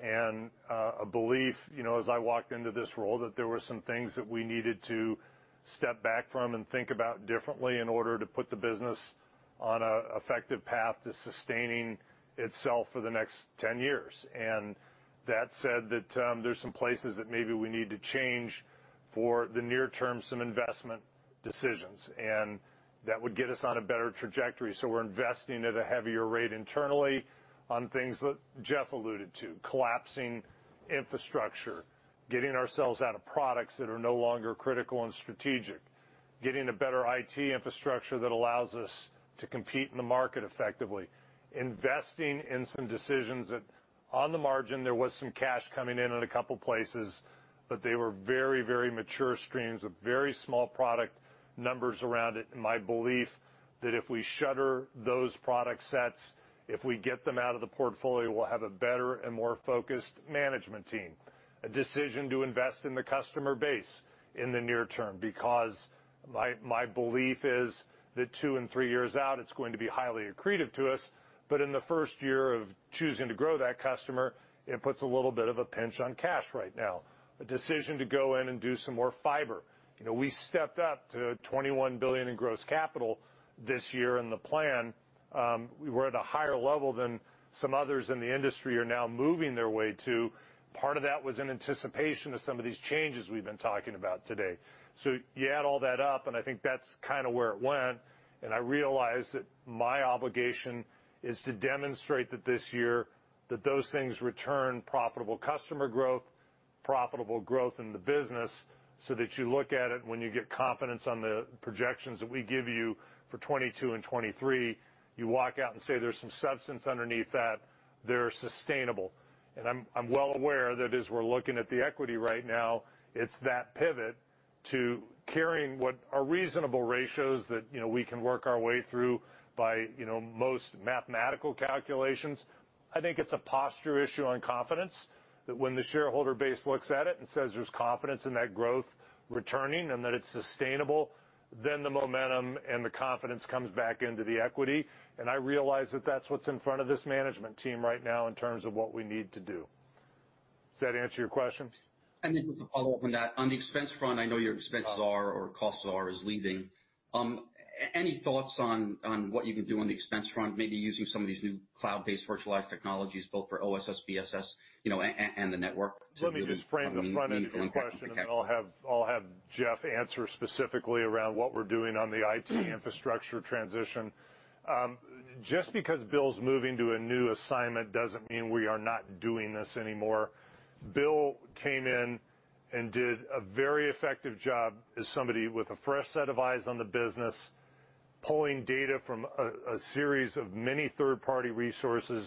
and a belief, as I walked into this role, that there were some things that we needed to step back from and think about differently in order to put the business on an effective path to sustaining itself for the next 10 years. That said that there's some places that maybe we need to change for the near term, some investment decisions, and that would get us on a better trajectory. We're investing at a heavier rate internally on things that Jeff alluded to, collapsing infrastructure, getting ourselves out of products that are no longer critical and strategic, getting a better IT infrastructure that allows us to compete in the market effectively, investing in some decisions that on the margin, there was some cash coming in in a couple of places, but they were very mature streams with very small product numbers around it. And my belief that if we shutter those product sets, if we get them out of the portfolio, we'll have a better and more focused management team. A decision to invest in the customer base in the near term, because my belief is that two and three years out, it's going to be highly accretive to us, but in the first year of choosing to grow that customer, it puts a little bit of a pinch on cash right now. A decision to go in and do some more fiber. We stepped up to $21 billion in gross capital this year in the plan. We were at a higher level than some others in the industry are now moving their way to. Part of that was in anticipation of some of these changes we've been talking about today. You add all that up and I think that's kind of where it went, and I realize that my obligation is to demonstrate that this year, that those things return profitable customer growth, profitable growth in the business, so that you look at it when you get confidence on the projections that we give you for 2022 and 2023. You walk out and say there's some substance underneath that, they're sustainable. I'm well aware that as we're looking at the equity right now, it's that pivot to carrying what are reasonable ratios that we can work our way through by most mathematical calculations. I think it's a posture issue on confidence that when the shareholder base looks at it and says there's confidence in that growth returning and that it's sustainable, then the momentum and the confidence comes back into the equity. I realize that's what's in front of this management team right now in terms of what we need to do. Does that answer your question? Just a follow-up on that. On the expense front, I know your cost czar, is leaving. Any thoughts on what you can do on the expense front, maybe using some of these new cloud-based virtualized technologies, both for OSS/BSS and the network? Let me just frame the front end of the question. Okay I'll have Jeff answer specifically around what we're doing on the IT infrastructure transition. Just because Bill's moving to a new assignment doesn't mean we are not doing this anymore. Bill came in and did a very effective job as somebody with a fresh set of eyes on the business, pulling data from a series of many third-party resources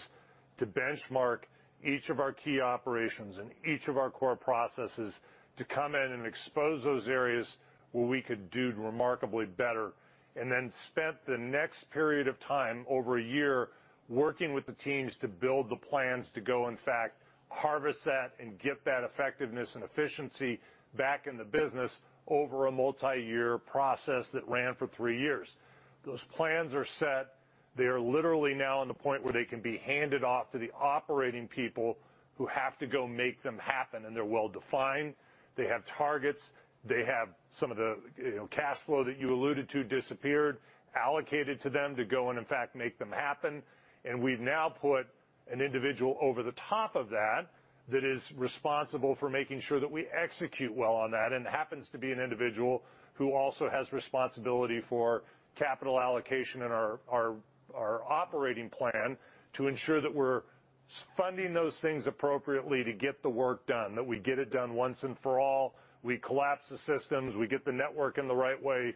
to benchmark each of our key operations and each of our core processes to come in and expose those areas where we could do remarkably better. Then spent the next period of time, over a year, working with the teams to build the plans to go, in fact, harvest that and get that effectiveness and efficiency back in the business over a multi-year process that ran for three years. Those plans are set. They are literally now in the point where they can be handed off to the operating people who have to go make them happen, and they're well defined. They have targets. They have some of the cash flow that you alluded to disappeared, allocated to them to go and, in fact, make them happen. We've now put an individual over the top of that is responsible for making sure that we execute well on that, and happens to be an individual who also has responsibility for capital allocation in our operating plan to ensure that we're funding those things appropriately to get the work done, that we get it done once and for all. We collapse the systems, we get the network in the right way.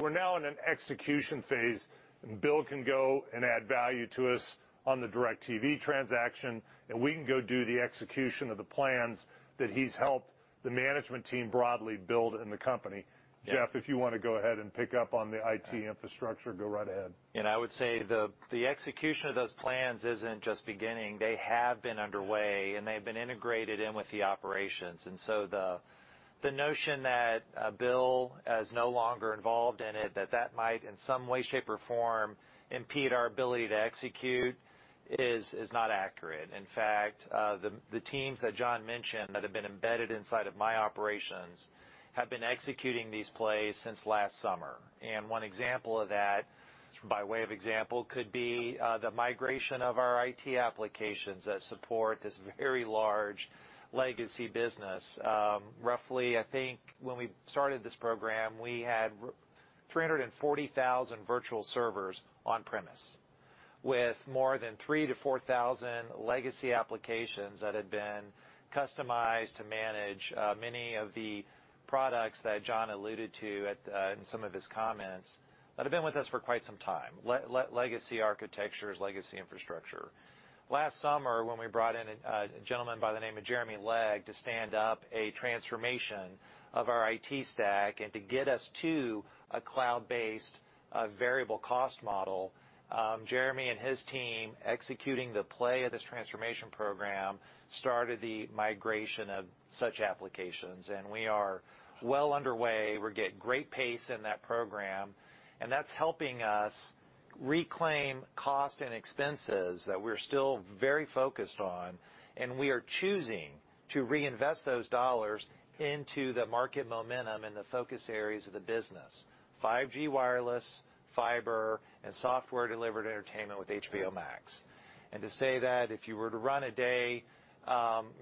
We're now in an execution phase, and Bill can go and add value to us on the DirecTV transaction, and we can go do the execution of the plans that he's helped the management team broadly build in the company. Jeff, if you want to go ahead and pick up on the IT infrastructure, go right ahead. I would say the execution of those plans isn't just beginning. They have been underway, and they've been integrated in with the operations. The notion that Bill is no longer involved in it, that that might, in some way, shape, or form, impede our ability to execute is not accurate. In fact, the teams that John mentioned that have been embedded inside of my operations have been executing these plays since last summer. One example of that, by way of example, could be the migration of our IT applications that support this very large legacy business. Roughly, I think, when we started this program, we had 340,000 virtual servers on premise with more than 3,000-4,000 legacy applications that had been customized to manage many of the products that John alluded to in some of his comments that have been with us for quite some time. Legacy architectures, legacy infrastructure. Last summer, when we brought in a gentleman by the name of Jeremy Legg to stand up a transformation of our IT stack and to get us to a cloud-based variable cost model, Jeremy and his team, executing the play of this transformation program, started the migration of such applications. We are well underway. We're getting great pace in that program, and that's helping us reclaim cost and expenses that we're still very focused on. We are choosing to reinvest those dollars into the market momentum in the focus areas of the business, 5G wireless, fiber, and software-delivered entertainment with HBO Max. To say that if you were to run a day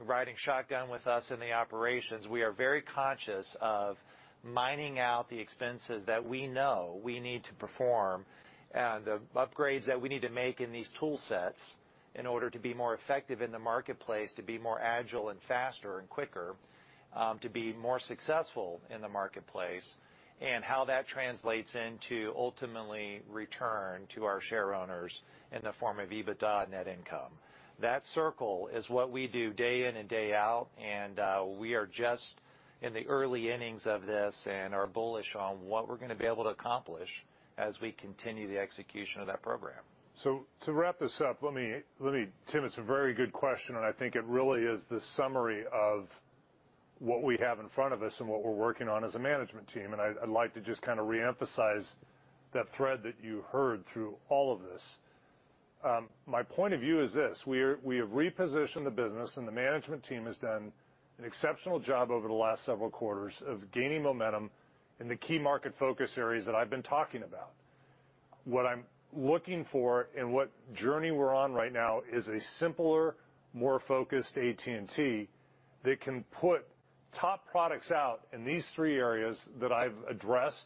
riding shotgun with us in the operations, we are very conscious of mining out the expenses that we know we need to perform and the upgrades that we need to make in these tool sets in order to be more effective in the marketplace, to be more agile and faster and quicker, to be more successful in the marketplace, and how that translates into ultimately return to our share owners in the form of EBITDA and net income. That circle is what we do day in and day out, and we are just in the early innings of this and are bullish on what we're going to be able to accomplish as we continue the execution of that program. To wrap this up, Tim, it's a very good question, and I think it really is the summary of what we have in front of us and what we're working on as a management team. I'd like to just kind of re-emphasize that thread that you heard through all of this. My point of view is this: we have repositioned the business, and the management team has done an exceptional job over the last several quarters of gaining momentum in the key market focus areas that I've been talking about. What I'm looking for and what journey we're on right now is a simpler, more focused AT&T that can put top products out in these three areas that I've addressed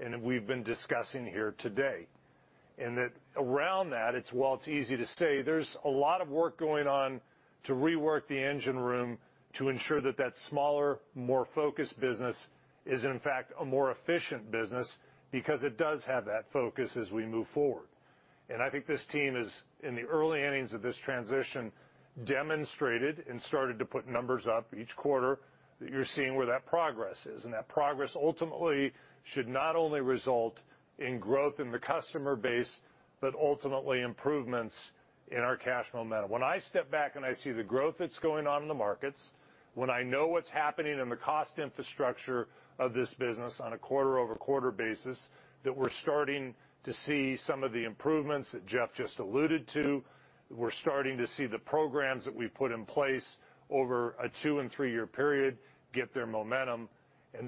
and that we've been discussing here today. Around that, while it's easy to say, there's a lot of work going on to rework the engine room to ensure that that smaller, more focused business is, in fact, a more efficient business because it does have that focus as we move forward. I think this team is in the early innings of this transition, demonstrated and started to put numbers up each quarter, that you're seeing where that progress is. That progress ultimately should not only result in growth in the customer base, but ultimately improvements in our cash momentum. When I step back and I see the growth that's going on in the markets, when I know what's happening in the cost infrastructure of this business on a quarter-over-quarter basis, that we're starting to see some of the improvements that Jeff just alluded to. We're starting to see the programs that we've put in place over a two and three-year period get their momentum.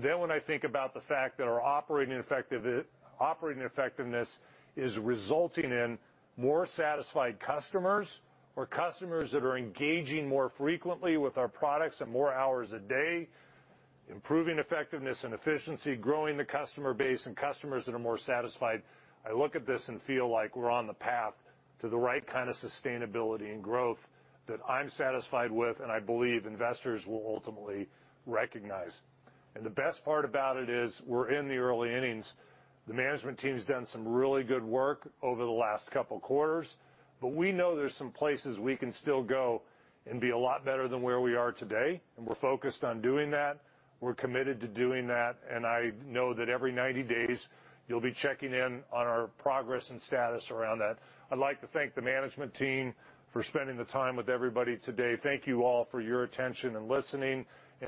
When I think about the fact that our operating effectiveness is resulting in more satisfied customers or customers that are engaging more frequently with our products and more hours a day, improving effectiveness and efficiency, growing the customer base and customers that are more satisfied. I look at this and feel like we're on the path to the right kind of sustainability and growth that I'm satisfied with and I believe investors will ultimately recognize. The best part about it is we're in the early innings. The management team's done some really good work over the last couple of quarters, but we know there's some places we can still go and be a lot better than where we are today, and we're focused on doing that. We're committed to doing that, and I know that every 90 days you'll be checking in on our progress and status around that. I'd like to thank the management team for spending the time with everybody today. Thank you all for your attention and listening, and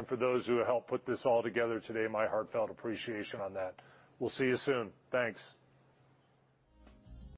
for those who helped put this all together today, my heartfelt appreciation on that. We'll see you soon. Thanks.